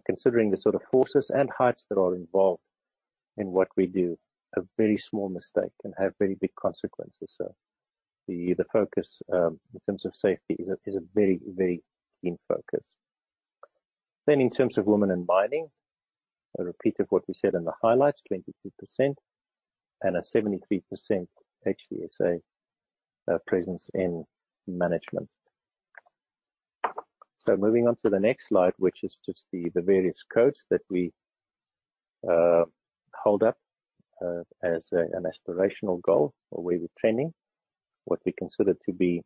Considering the sort of forces and heights that are involved in what we do, a very small mistake can have very big consequences. The focus in terms of safety is a very keen focus. In terms of women in mining, a repeat of what we said in the highlights, 22% and a 73% HDSA presence in management. Moving on to the next slide, which is just the various codes that we hold up as an aspirational goal or way we're trending. What we consider to be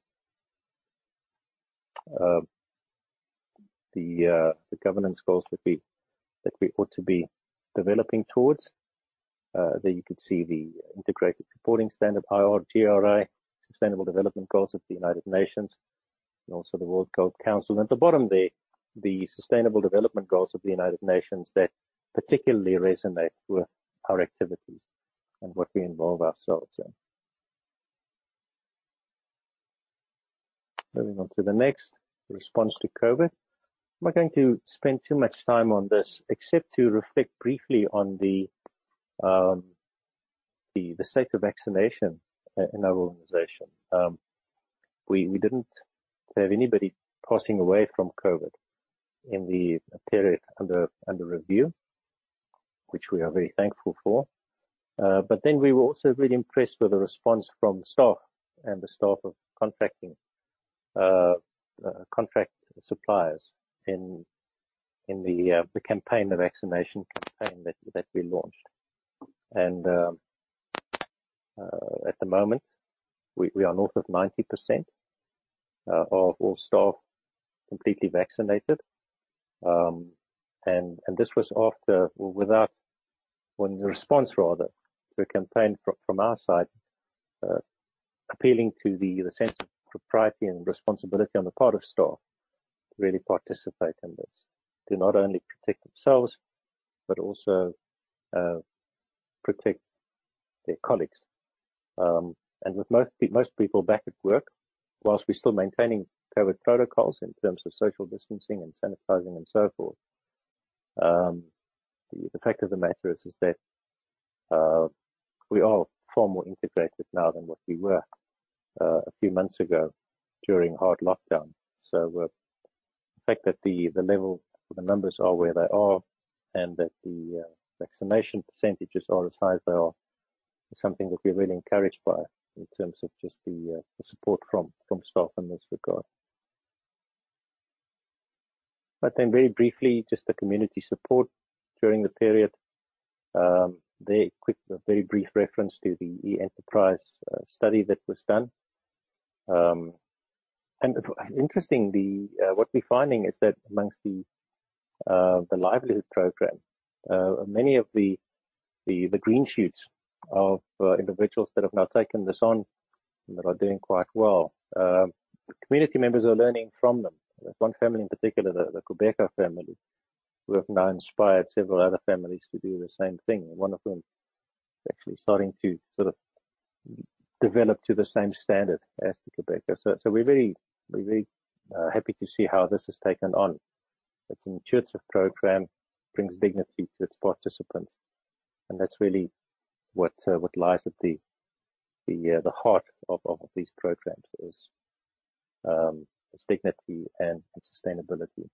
the governance goals that we ought to be developing towards. There you can see the Integrated Reporting standard, IIRC, GRI, Sustainable Development Goals of the United Nations, and also the World Gold Council. At the bottom there, the Sustainable Development Goals of the United Nations that particularly resonate with our activities and what we involve ourselves in. Moving on to the next. Response to COVID. I'm not going to spend too much time on this except to reflect briefly on the state of vaccination in our organization. We didn't have anybody passing away from COVID in the period under review, which we are very thankful for. We were also really impressed with the response from staff and the staff of contract suppliers in the campaign of vaccination that we launched. At the moment, we are north of 90% of all staff completely vaccinated. This was rather the response to the campaign from our side, appealing to the sense of propriety and responsibility on the part of staff to really participate in this. To not only protect themselves, but also protect their colleagues. With most people back at work, while we're still maintaining COVID protocols in terms of social distancing and sanitizing and so forth, the fact of the matter is that we are far more integrated now than what we were a few months ago during hard lockdown. The fact that the numbers are where they are and that the vaccination percentages are as high as they are is something that we're really encouraged by in terms of just the support from staff in this regard. Very briefly, just the community support during the period. There's a quick, very brief reference to the Enterprise study that was done. It was interesting what we're finding is that amongst the livelihood program, many of the green shoots of individuals that have now taken this on and that are doing quite well, community members are learning from them. There's one family in particular, the Kumeka family, who have now inspired several other families to do the same thing. One of them is actually starting to sort of develop to the same standard as the Kumeka. We're very happy to see how this has taken on. It's an intuitive program, brings dignity to its participants, and that's really what lies at the heart of these programs is dignity and sustainability.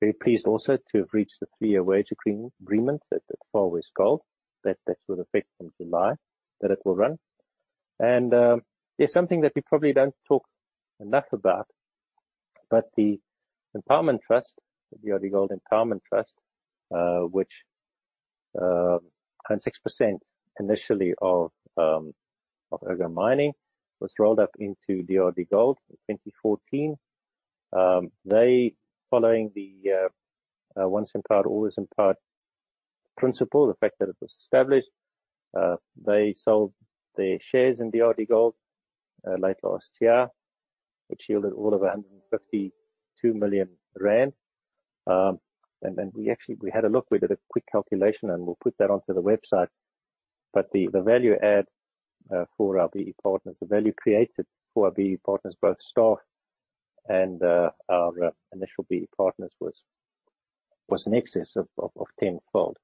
Very pleased also to have reached the three-year wage agreement at Far West Gold that will take effect from July that it will run. There's something that we probably don't talk enough about, but the Empowerment Trust, the DRDGOLD Empowerment Trust, which and 6% initially of Ergo Mining was rolled up into DRDGOLD in 2014. They, following the Once Empowered, Always Empowered principle, the fact that it was established, they sold their shares in DRDGOLD late last year, which yielded all of 152 million rand. Then we actually had a look. We did a quick calculation, and we'll put that onto the website. The value add for our BEE partners, the value created for our BEE partners, both staff and our initial BEE partners was in excess of tenfold.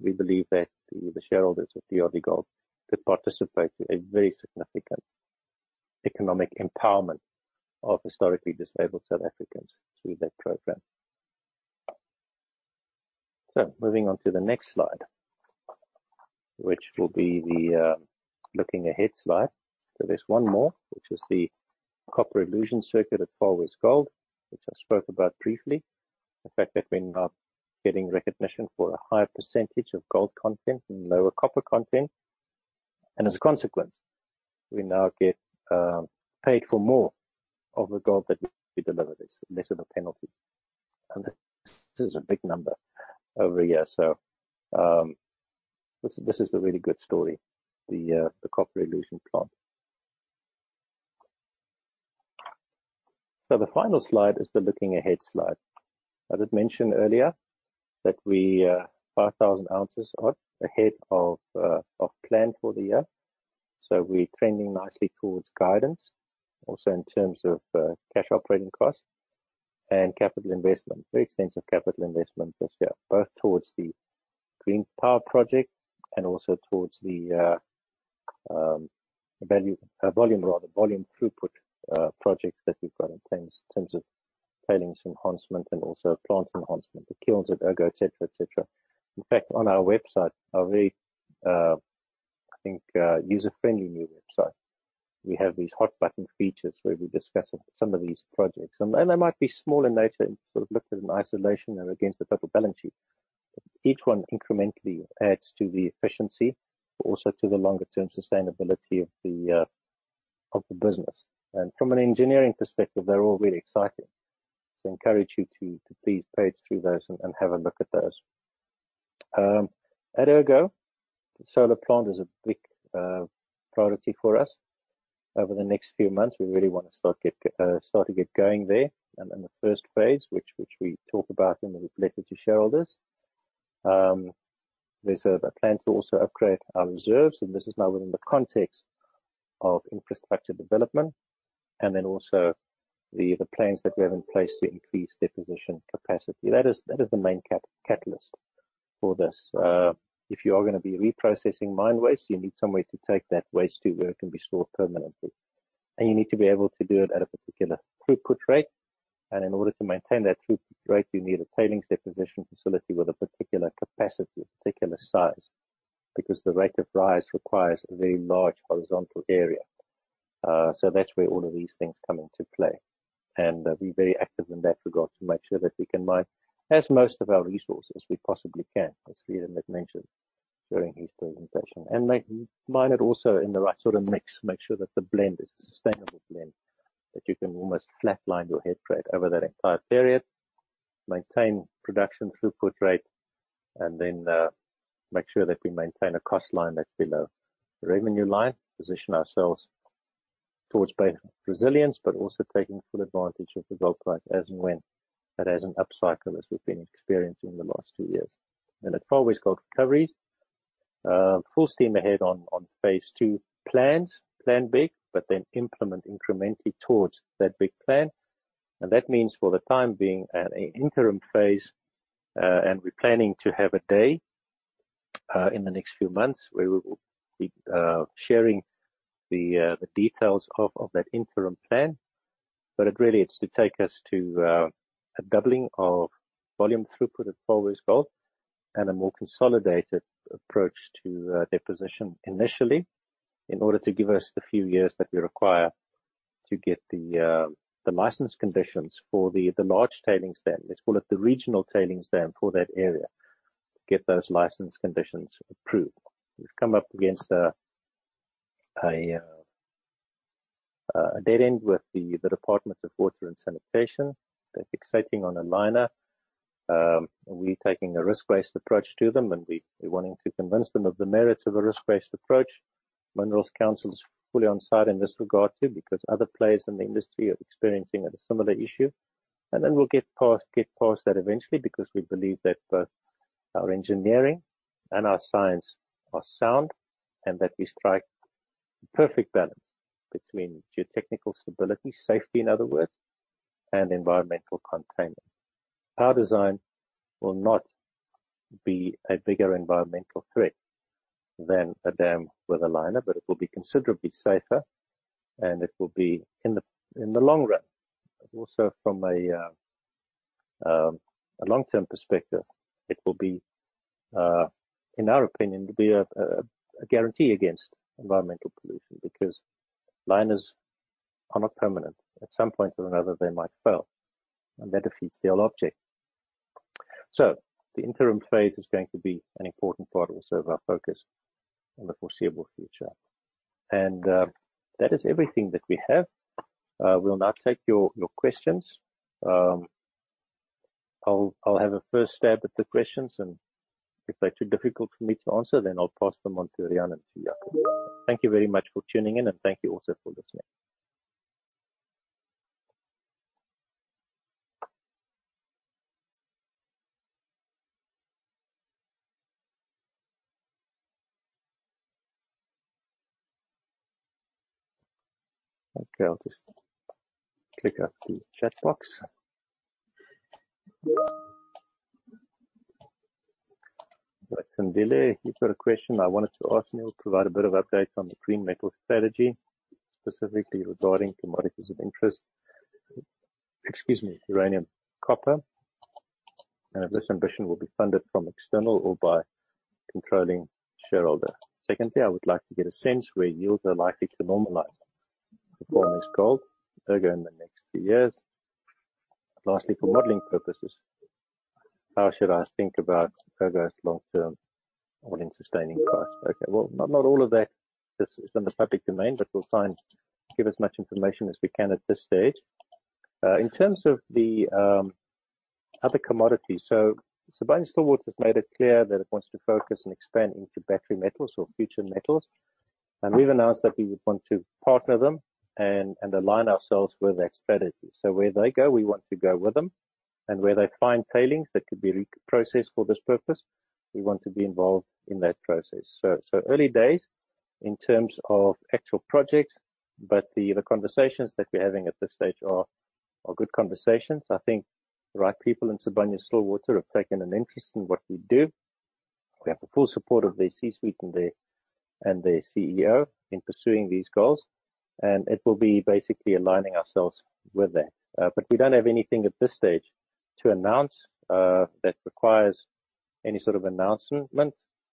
We believe that the shareholders of DRDGOLD could participate in a very significant economic empowerment of historically disadvantaged South Africans through that program. Moving on to the next slide, which will be the looking ahead slide. There's one more, which is the copper elution circuit at Far West Gold Recoveries, which I spoke about briefly. The fact that we're now getting recognition for a higher percentage of gold content and lower copper content, and as a consequence, we now get paid for more of the gold that we deliver. There's less of a penalty. This is a big number over a year. This is a really good story, the copper elution plant. The final slide is the looking ahead slide. As I mentioned earlier that we are 5,000 ounces ahead of plan for the year. We're trending nicely towards guidance also in terms of cash operating costs and capital investment. Very extensive capital investment this year, both towards the green power project and also towards the volume rather, volume throughput projects that we've got in place in terms of tailings enhancement and also plant enhancement, the kilns at Ergo, et cetera. In fact, on our website, our very, I think, user-friendly new website. We have these hot button features where we discuss some of these projects. They might be small in nature and sort of looked at in isolation and against the total balance sheet. Each one incrementally adds to the efficiency, but also to the longer-term sustainability of the business. From an engineering perspective, they're all really exciting. I encourage you to please page through those and have a look at those. At Ergo, the solar plant is a big priority for us. Over the next few months we really wanna start to get going there. Then the first phase which we talk about in the letter to shareholders, there's a plan to also upgrade our reserves, and this is now within the context of infrastructure development. Then also the plans that we have in place to increase deposition capacity. That is the main catalyst for this. If you are gonna be reprocessing mine waste, you need somewhere to take that waste to where it can be stored permanently. You need to be able to do it at a particular throughput rate. In order to maintain that throughput rate, you need a tailings deposition facility with a particular capacity, a particular size, because the rate of rise requires a very large horizontal area. That's where all of these things come into play. We're very active in that regard to make sure that we can mine as much of our resources we possibly can, as Riaan had mentioned during his presentation. Mine, it also, in the right sort of mix, make sure that the blend is a sustainable blend, that you can almost flatline your head grade over that entire period, maintain production throughput rate, and then make sure that we maintain a cost line that's below the revenue line. Position ourselves towards both resilience but also taking full advantage of the gold price as and when it has an upcycle, as we've been experiencing in the last two years. At Far West Gold Recoveries, full steam ahead on Phase 2 plans. Plan big, but then implement incrementally towards that big plan. That means for the time being at an interim phase, and we're planning to have a day in the next few months where we'll be sharing the details of that interim plan. It really is to take us to a doubling of volume throughput at Far West Gold and a more consolidated approach to deposition initially in order to give us the few years that we require to get the license conditions for the large tailings dam. Let's call it the regional tailings dam for that area. Get those license conditions approved. We've come up against a dead end with the Department of Water and Sanitation. They're fixating on a liner. We're taking a risk-based approach to them, and we're wanting to convince them of the merits of a risk-based approach. Minerals Council is fully on side in this regard too, because other players in the industry are experiencing a similar issue. We'll get past that eventually because we believe that both our engineering and our science are sound and that we strike the perfect balance between geotechnical stability, safety in other words, and environmental containment. Our design will not be a bigger environmental threat than a dam with a liner, but it will be considerably safer, and it will be in the long run. Also from a long-term perspective, it will be in our opinion, it will be a guarantee against environmental pollution because liners are not permanent. At some point or another they might fail, and that defeats the whole object. The interim phase is going to be an important part also of our focus in the foreseeable future. That is everything that we have. We'll now take your questions. I'll have a first stab at the questions, and if they're too difficult for me to answer, then I'll pass them on to Riaan and to Jaco. Thank you very much for tuning in, and thank you also for listening. Okay, I'll just click out the chat box. Right. Sandile, you've got a question. I wanted to ask Niël to provide a bit of update on the green metal strategy, specifically regarding commodities of interest. Excuse me, uranium, copper. And if this ambition will be funded from external or by controlling shareholder. Secondly, I would like to get a sense where yields are likely to normalize. Performance gold, Ergo in the next two years. Lastly, for modeling purposes, how should I think about progress long term all-in sustaining cost? Well, not all of that is in the public domain, but we'll try and give as much information as we can at this stage. In terms of the other commodities. Sibanye-Stillwater has made it clear that it wants to focus and expand into battery metals or future metals. We've announced that we would want to partner them and align ourselves with their strategy. Where they go, we want to go with them. Where they find tailings that could be reprocessed for this purpose, we want to be involved in that process. Early days in terms of actual projects, but the conversations that we're having at this stage are good conversations. I think the right people in Sibanye-Stillwater have taken an interest in what we do. We have the full support of their C-suite and their CEO in pursuing these goals, and it will be basically aligning ourselves with that. We don't have anything at this stage to announce that requires any sort of announcement.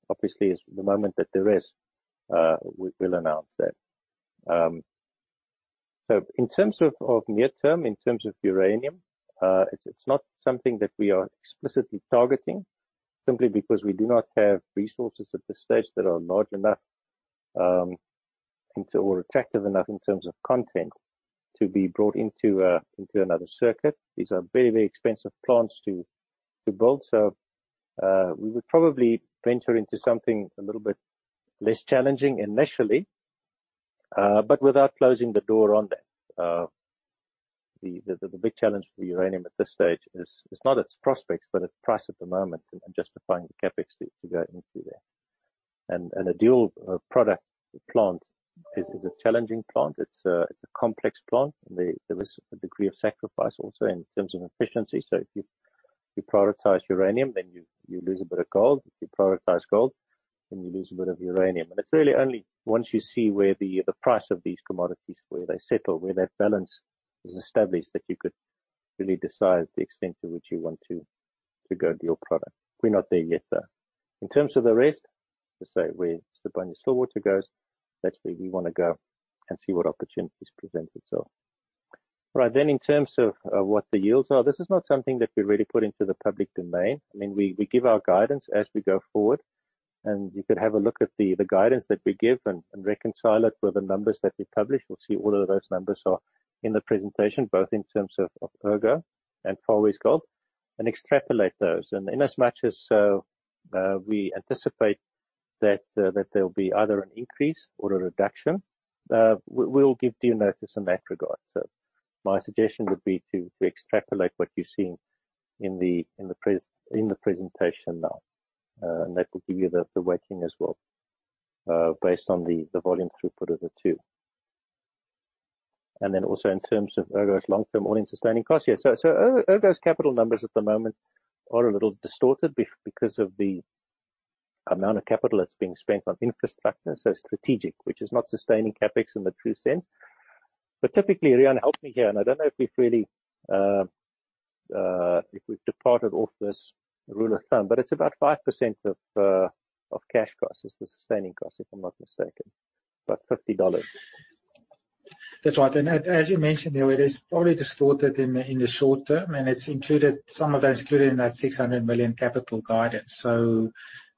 Obviously, the moment that there is, we will announce that. In terms of near term, in terms of uranium, it's not something that we are explicitly targeting simply because we do not have resources at this stage that are large enough in or attractive enough in terms of content to be brought into another circuit. These are very, very expensive plants to build. We would probably venture into something a little bit less challenging initially, but without closing the door on that. The big challenge for uranium at this stage is not its prospects, but its price at the moment and justifying the CapEx to go into there. A dual product plant is a challenging plant. It's a complex plant. There is a degree of sacrifice also in terms of efficiency. If you prioritize uranium, then you lose a bit of gold. If you prioritize gold, then you lose a bit of uranium. It's really only once you see where the price of these commodities, where they settle, where that balance is established, that you could really decide the extent to which you want to go dual product. We're not there yet, though. In terms of the rest, let's say where Sibanye-Stillwater goes, that's where we wanna go and see what opportunities present itself. Right. In terms of what the yields are, this is not something that we really put into the public domain. I mean, we give our guidance as we go forward, and you could have a look at the guidance that we give and reconcile it with the numbers that we publish. We'll see what all of those numbers are in the presentation, both in terms of Ergo and Far West Gold, and extrapolate those. In as much as we anticipate that there'll be either an increase or a reduction, we'll give due notice in that regard. My suggestion would be to extrapolate what you're seeing in the presentation now. That will give you the weighting as well, based on the volume throughput of the two. Then also in terms of Ergo's long-term all-in sustaining cost. Yeah. Ergo's capital numbers at the moment are a little distorted because of the amount of capital that's being spent on infrastructure, so strategic, which is not sustaining CapEx in the true sense. Typically, Riaan, help me here, and I don't know if we've really, if we've departed off this rule of thumb, but it's about 5% of cash costs, is the sustaining cost, if I'm not mistaken. About $50. That's right. As you mentioned, Niël, it is probably distorted in the short term, and it's included, some of that is included in that 600 million capital guidance.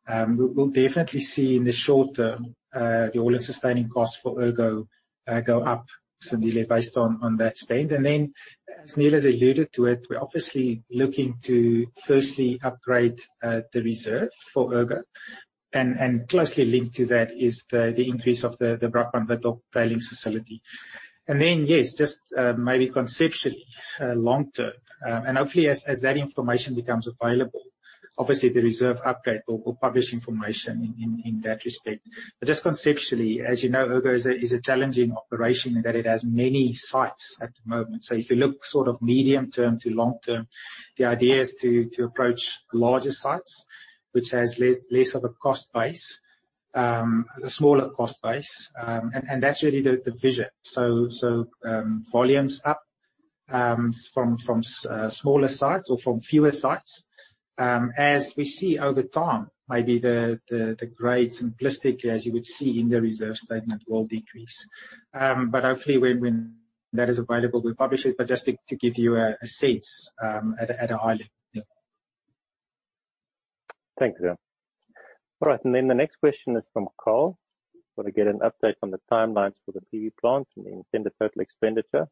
We'll definitely see in the short term the all-in sustaining costs for Ergo go up suddenly based on that spend. As Niël has alluded to it, we're obviously looking to firstly upgrade the reserve for Ergo. Closely linked to that is the increase of the Brakpan/Withok Tailings Facility. Maybe conceptually long term, and hopefully as that information becomes available, obviously the reserve upgrade will publish information in that respect. Just conceptually, as you know, Ergo is a challenging operation in that it has many sites at the moment. If you look sort of medium-term to long-term, the idea is to approach larger sites, which has less of a cost base, a smaller cost base. That's really the vision. Volumes up from smaller sites or from fewer sites. As we see over time, maybe the grades simplistically, as you would see in the reserve statement, will decrease. Hopefully when that is available, we'll publish it. Just to give you a sense at a high level. Thank you. All right. Then the next question is from Carl. Wanna get an update on the timelines for the PV plant and the intended total expenditure.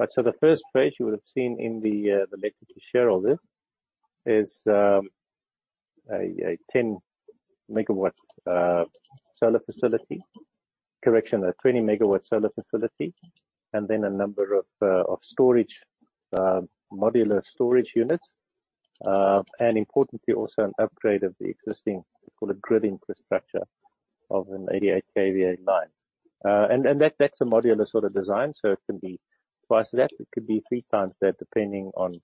Right. So the first phase you would have seen in the letter to shareholders is a 10 MW solar facility. Correction, a 20 MW solar facility, and then a number of storage modular storage units. And importantly also an upgrade of the existing, we call it grid infrastructure of an 88 kV line. And that's a modular sort of design, so it can be 2x that, it could be 3x that depending on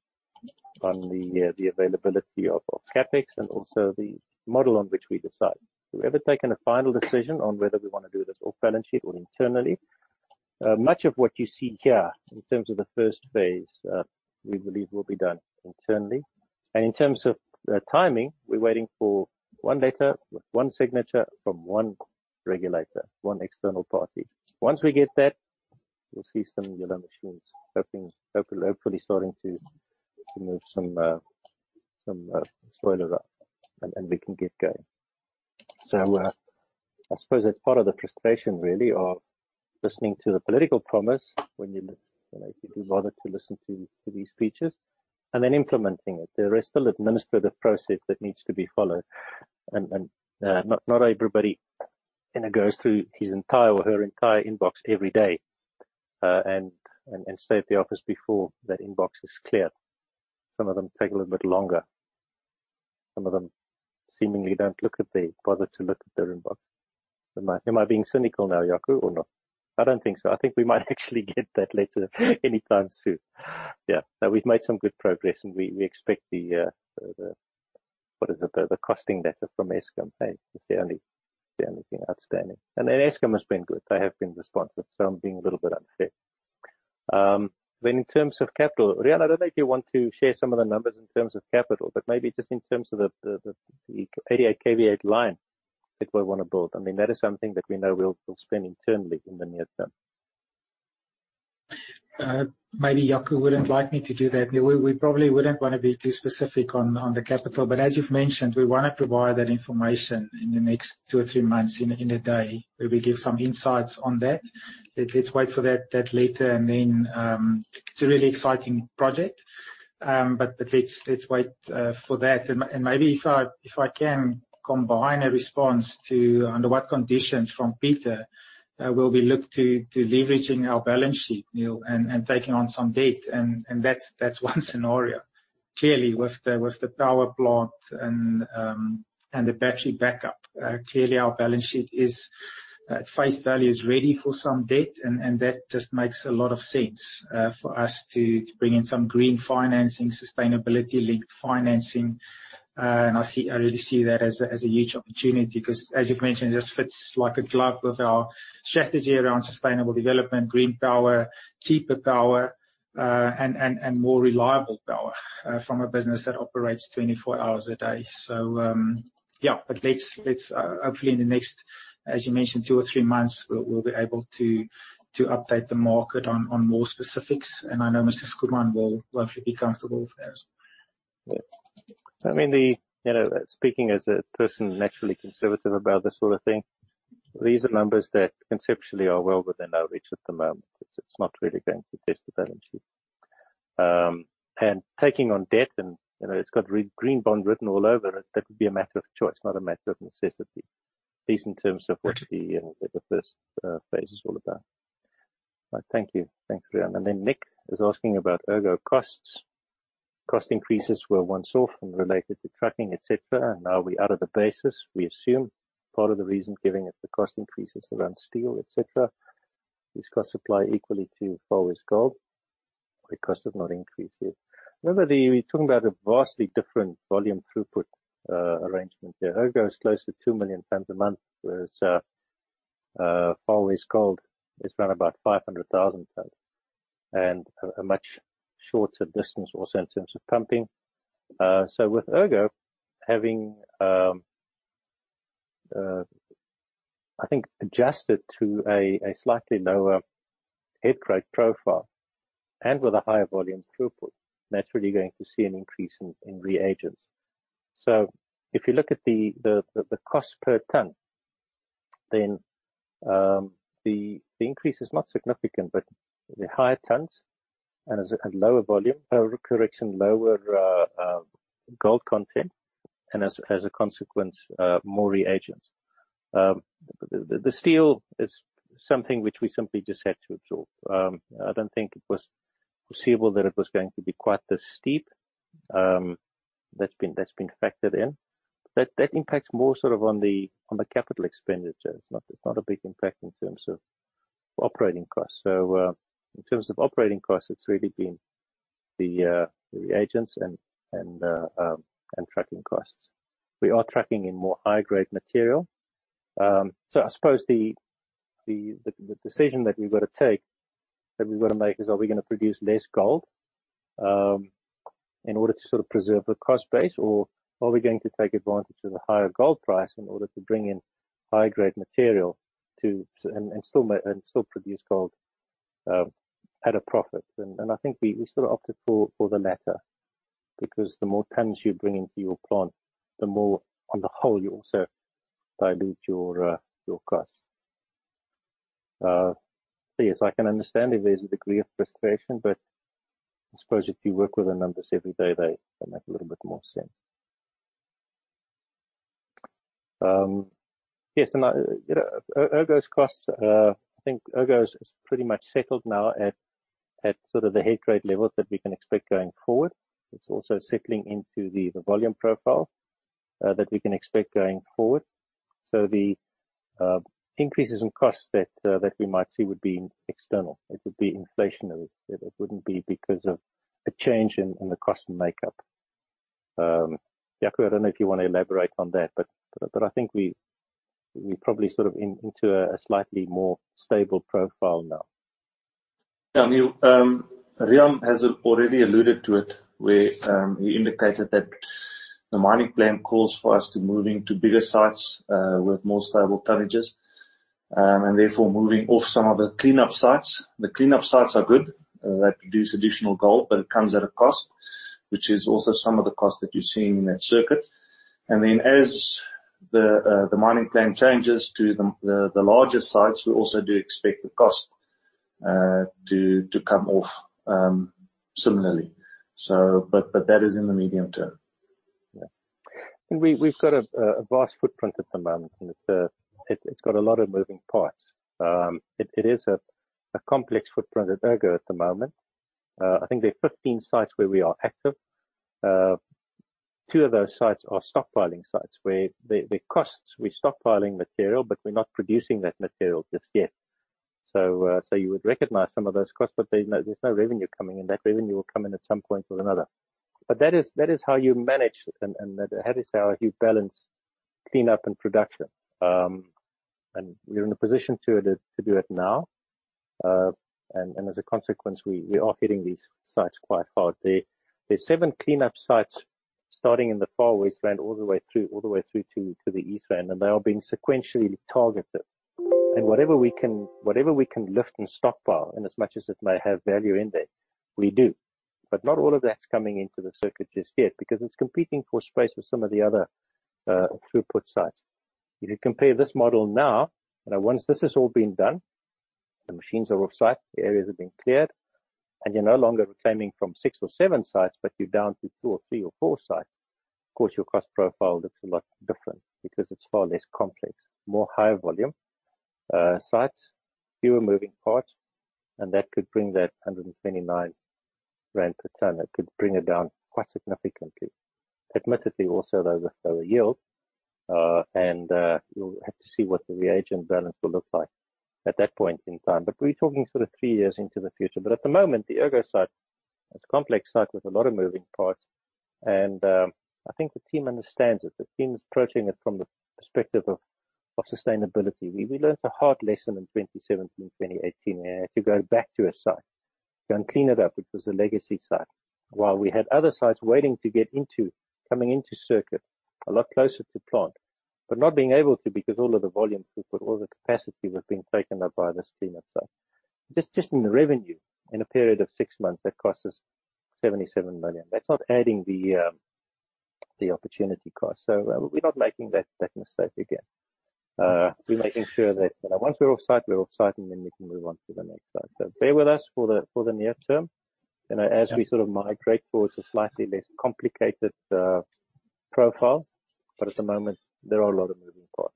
the availability of CapEx and also the model on which we decide. We haven't taken a final decision on whether we wanna do this off balance sheet or internally. Much of what you see here in terms of the first phase, we believe will be done internally. In terms of the timing, we're waiting for one letter with one signature from one regulator, one external party. Once we get that, we'll see some yellow machines, hopefully starting to move some spoilers out and we can get going. I suppose that's part of the frustration really of listening to the political promise when you know, if you do bother to listen to these speeches, and then implementing it. There is still administrative process that needs to be followed and not everybody kinda goes through his entire or her entire inbox every day and stay at the office before that inbox is clear. Some of them take a little bit longer. Some of them seemingly don't bother to look at their inbox. Am I being cynical now. Jaco, true or not? I don't think so. I think we might actually get that letter anytime soon. Yeah. No, we've made some good progress and we expect the costing data from Eskom. That is the only thing outstanding. Eskom has been good. They have been responsive, so I'm being a little bit unfair. In terms of capital, Riaan, I don't know if you want to share some of the numbers in terms of capital, but maybe just in terms of the 88 kV line that we wanna build. I mean, that is something that we know we'll spend internally in the near term. Maybe Jaco wouldn't like me to do that. We probably wouldn't wanna be too specific on the capital. As you've mentioned, we wanna provide that information in the next two or three months in a day, where we give some insights on that. Let's wait for that letter, and then. It's a really exciting project. Let's wait for that. Maybe if I can combine a response to under what conditions from Peter will we look to leveraging our balance sheet, Niël, and taking on some debt and that's one scenario. Clearly with the power plant and the battery backup, clearly our balance sheet at face value is ready for some debt and that just makes a lot of sense for us to bring in some green financing, sustainability-linked financing. I really see that as a huge opportunity 'cause as you've mentioned, it just fits like a glove with our strategy around sustainable development, green power, cheaper power, and more reliable power from a business that operates 24 hours a day. Yeah. Let's hopefully in the next, as you mentioned, two or three months, we'll be able to update the market on more specifics. I know Mr. Schoeman will hopefully be comfortable with that as well. Yeah. I mean, You know, speaking as a person naturally conservative about this sort of thing, these are numbers that conceptually are well within our reach at the moment. It's not really going to test the balance sheet. And taking on debt and, you know, it's got green bond written all over it. That would be a matter of choice, not a matter of necessity. At least in terms of $30 million in the first phase is all about. Thank you. Thanks, Riaan. Then Nick is asking about Ergo costs. Cost increases were one-off and related to trucking, et cetera. Now we're out of the basis, we assume. Part of the reason giving us the cost increases around steel, et cetera. These costs apply equally to Far West Gold Recoveries. Why costs have not increased yet. Remember we're talking about a vastly different volume throughput arrangement there. Ergo is close to 2 million tons a month, whereas Far West Gold Recoveries is around about 500,000 tons and a much shorter distance also in terms of pumping. With Ergo having I think adjusted to a slightly lower head grade profile and with a higher volume throughput, naturally you're going to see an increase in reagents. If you look at the cost per ton, then the increase is not significant, but the higher tons and at lower gold content, and as a consequence, more reagents. The steel is something which we simply just had to absorb. I don't think it was foreseeable that it was going to be quite this steep. That's been factored in. That impacts more sort of on the capital expenditure. It's not a big impact in terms of operating costs. In terms of operating costs, it's really been the reagents and trucking costs. We are trucking in more high grade material. I suppose the decision that we've got to make is, are we gonna produce less gold in order to sort of preserve the cost base? Or are we going to take advantage of the higher gold price in order to bring in high grade material and still produce gold at a profit? I think we sort of opted for the latter. Because the more tons you bring into your plant, the more on the whole you also dilute your costs. Yes, I can understand if there's a degree of frustration, but I suppose if you work with the numbers every day, they make a little bit more sense. Yes, you know, Ergo's costs, I think Ergo's is pretty much settled now at sort of the head grade levels that we can expect going forward. It's also settling into the volume profile that we can expect going forward. The increases in costs that we might see would be external. It would be inflationary. It wouldn't be because of a change in the cost makeup. Jaco, I don't know if you wanna elaborate on that, but I think we're probably sort of into a slightly more stable profile now. Yeah, Niël. Riaan has already alluded to it where he indicated that the mining plan calls for us to moving to bigger sites with more stable tonnages and therefore moving off some of the clean-up sites. The clean-up sites are good. They produce additional gold, but it comes at a cost, which is also some of the costs that you're seeing in that circuit. As the mining plan changes to the larger sites, we also do expect the cost to come off similarly. That is in the medium term. We've got a vast footprint at the moment, and it's got a lot of moving parts. It is a complex footprint at Ergo at the moment. I think there are 15 sites where we are active. Two of those sites are stockpiling sites where the costs, we're stockpiling material, but we're not producing that material just yet. You would recognize some of those costs, but there's no revenue coming in. That revenue will come in at some point or another. That is how you manage and that is how you balance clean-up and production. We're in a position to do it now, and as a consequence, we are hitting these sites quite hard. There's seven clean-up sites starting in the Far West Rand all the way through to the East Rand, and they are being sequentially targeted. Whatever we can lift and stockpile, in as much as it may have value in there, we do. Not all of that's coming into the circuit just yet because it's competing for space with some of the other throughput sites. If you compare this model now and once this has all been done, the machines are off-site, the areas have been cleared, and you're no longer reclaiming from six or seven sites, but you're down to two or three or four sites. Of course, your cost profile looks a lot different because it's far less complex, more higher volume sites, fewer moving parts, and that could bring that 129 rand per ton. That could bring it down quite significantly. Admittedly, also lower yield, and you'll have to see what the reagent balance will look like at that point in time. We're talking sort of three years into the future. At the moment, the Ergo site is a complex site with a lot of moving parts, and I think the team understands it. The team is approaching it from the perspective of sustainability. We learnt a hard lesson in 2017, 2018. We had to go back to a site, go and clean it up. It was a legacy site. While we had other sites waiting to get into, coming into circuit a lot closer to plant, but not being able to because all of the volume throughput, all the capacity was being taken up by this clean-up site. Just in the revenue in a period of six months that cost us 77 million. That's not adding the opportunity cost. We're not making that mistake again. We're making sure that, you know, once we're off-site, we're off-site, and then we can move on to the next site. Bear with us for the near term, you know, as we sort of migrate towards a slightly less complicated profile. At the moment, there are a lot of moving parts.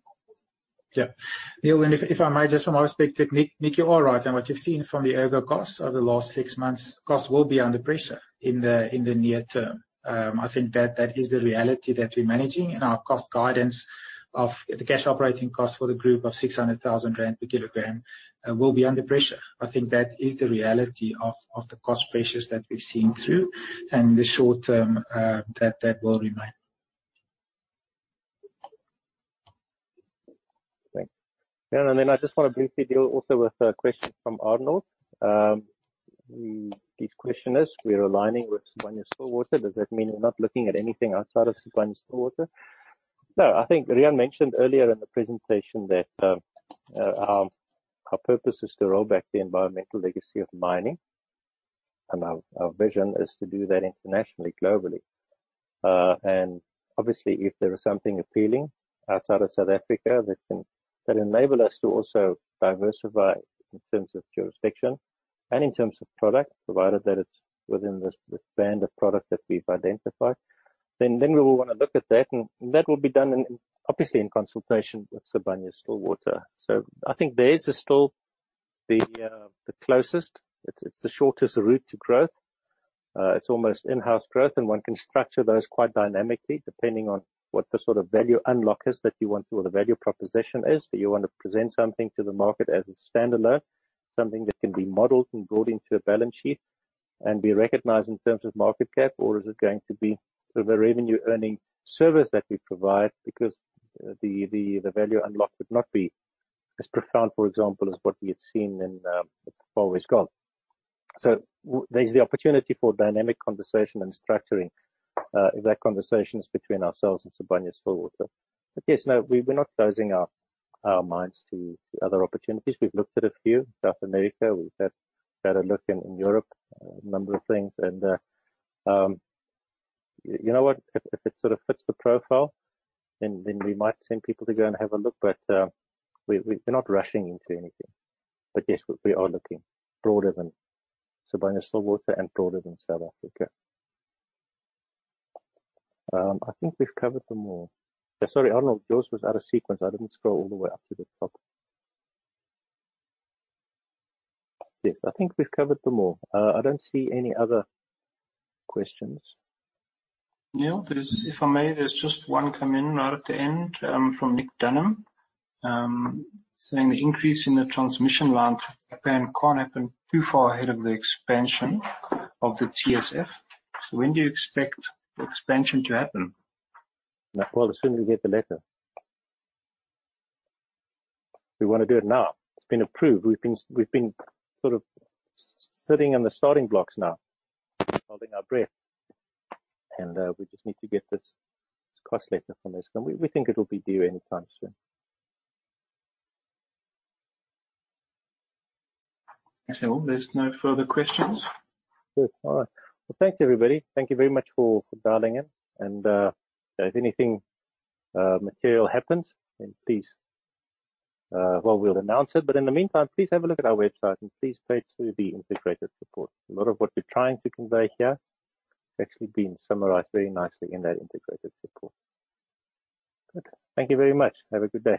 Yeah. Niël, if I may just from our perspective, Nick, you are right. What you've seen from the Ergo costs over the last six months. Costs will be under pressure in the near term. I think that is the reality that we're managing and our cost guidance of the cash operating cost for the group of 600,000 rand per kg will be under pressure. I think that is the reality of the cost pressures that we're seeing in the short term. That will remain. Thanks. Yeah, and then I just wanna briefly deal also with a question from Arnold. His question is: We're aligning with Sibanye-Stillwater. Does that mean you're not looking at anything outside of Sibanye-Stillwater? No. I think Riaan mentioned earlier in the presentation that our purpose is to roll back the environmental legacy of mining, and our vision is to do that internationally, globally. Obviously, if there is something appealing outside of South Africa that can enable us to also diversify in terms of jurisdiction and in terms of product, provided that it's within this band of product that we've identified, then we will wanna look at that. That will be done obviously in consultation with Sibanye-Stillwater. I think theirs is still the closest. It's the shortest route to growth. It's almost in-house growth, and one can structure those quite dynamically depending on what the sort of value unlock is that you want or the value proposition is. Do you wanna present something to the market as a standalone, something that can be modeled and brought into a balance sheet and be recognized in terms of market cap? Or is it going to be sort of a revenue-earning service that we provide because the value unlocked would not be as profound, for example, as what we had seen in the Far West Gold? There's the opportunity for dynamic conversation and structuring if that conversation is between ourselves and Sibanye-Stillwater. But yes, no, we're not closing our minds to other opportunities. We've looked at a few. South America, we've had a look in Europe, a number of things. You know what, if it sort of fits the profile, then we might send people to go and have a look. We're not rushing into anything. Yes, we are looking broader than Sibanye-Stillwater and broader than South Africa. I think we've covered them all. Sorry, Arnold, yours was out of sequence. I didn't scroll all the way up to the top. Yes. I think we've covered them all. I don't see any other questions. Niël, if I may, there's just one come in right at the end, from Nick Dunham, saying the increase in the transmission line for Daggafontein can't happen too far ahead of the expansion of the TSF. When do you expect the expansion to happen? Well, as soon as we get the letter. We wanna do it now. If it's been approved. We've been sort of sitting in the starting blocks now, holding our breath, and we just need to get this cost letter from this. We think it'll be due anytime soon. There's no further questions. Good. All right. Well, thanks, everybody. Thank you very much for dialing in. If anything material happens, we'll announce it. In the meantime, please have a look at our website and please go through the Integrated Report. A lot of what we're trying to convey here has actually been summarized very nicely in that Integrated Report. Good. Thank you very much. Have a good day.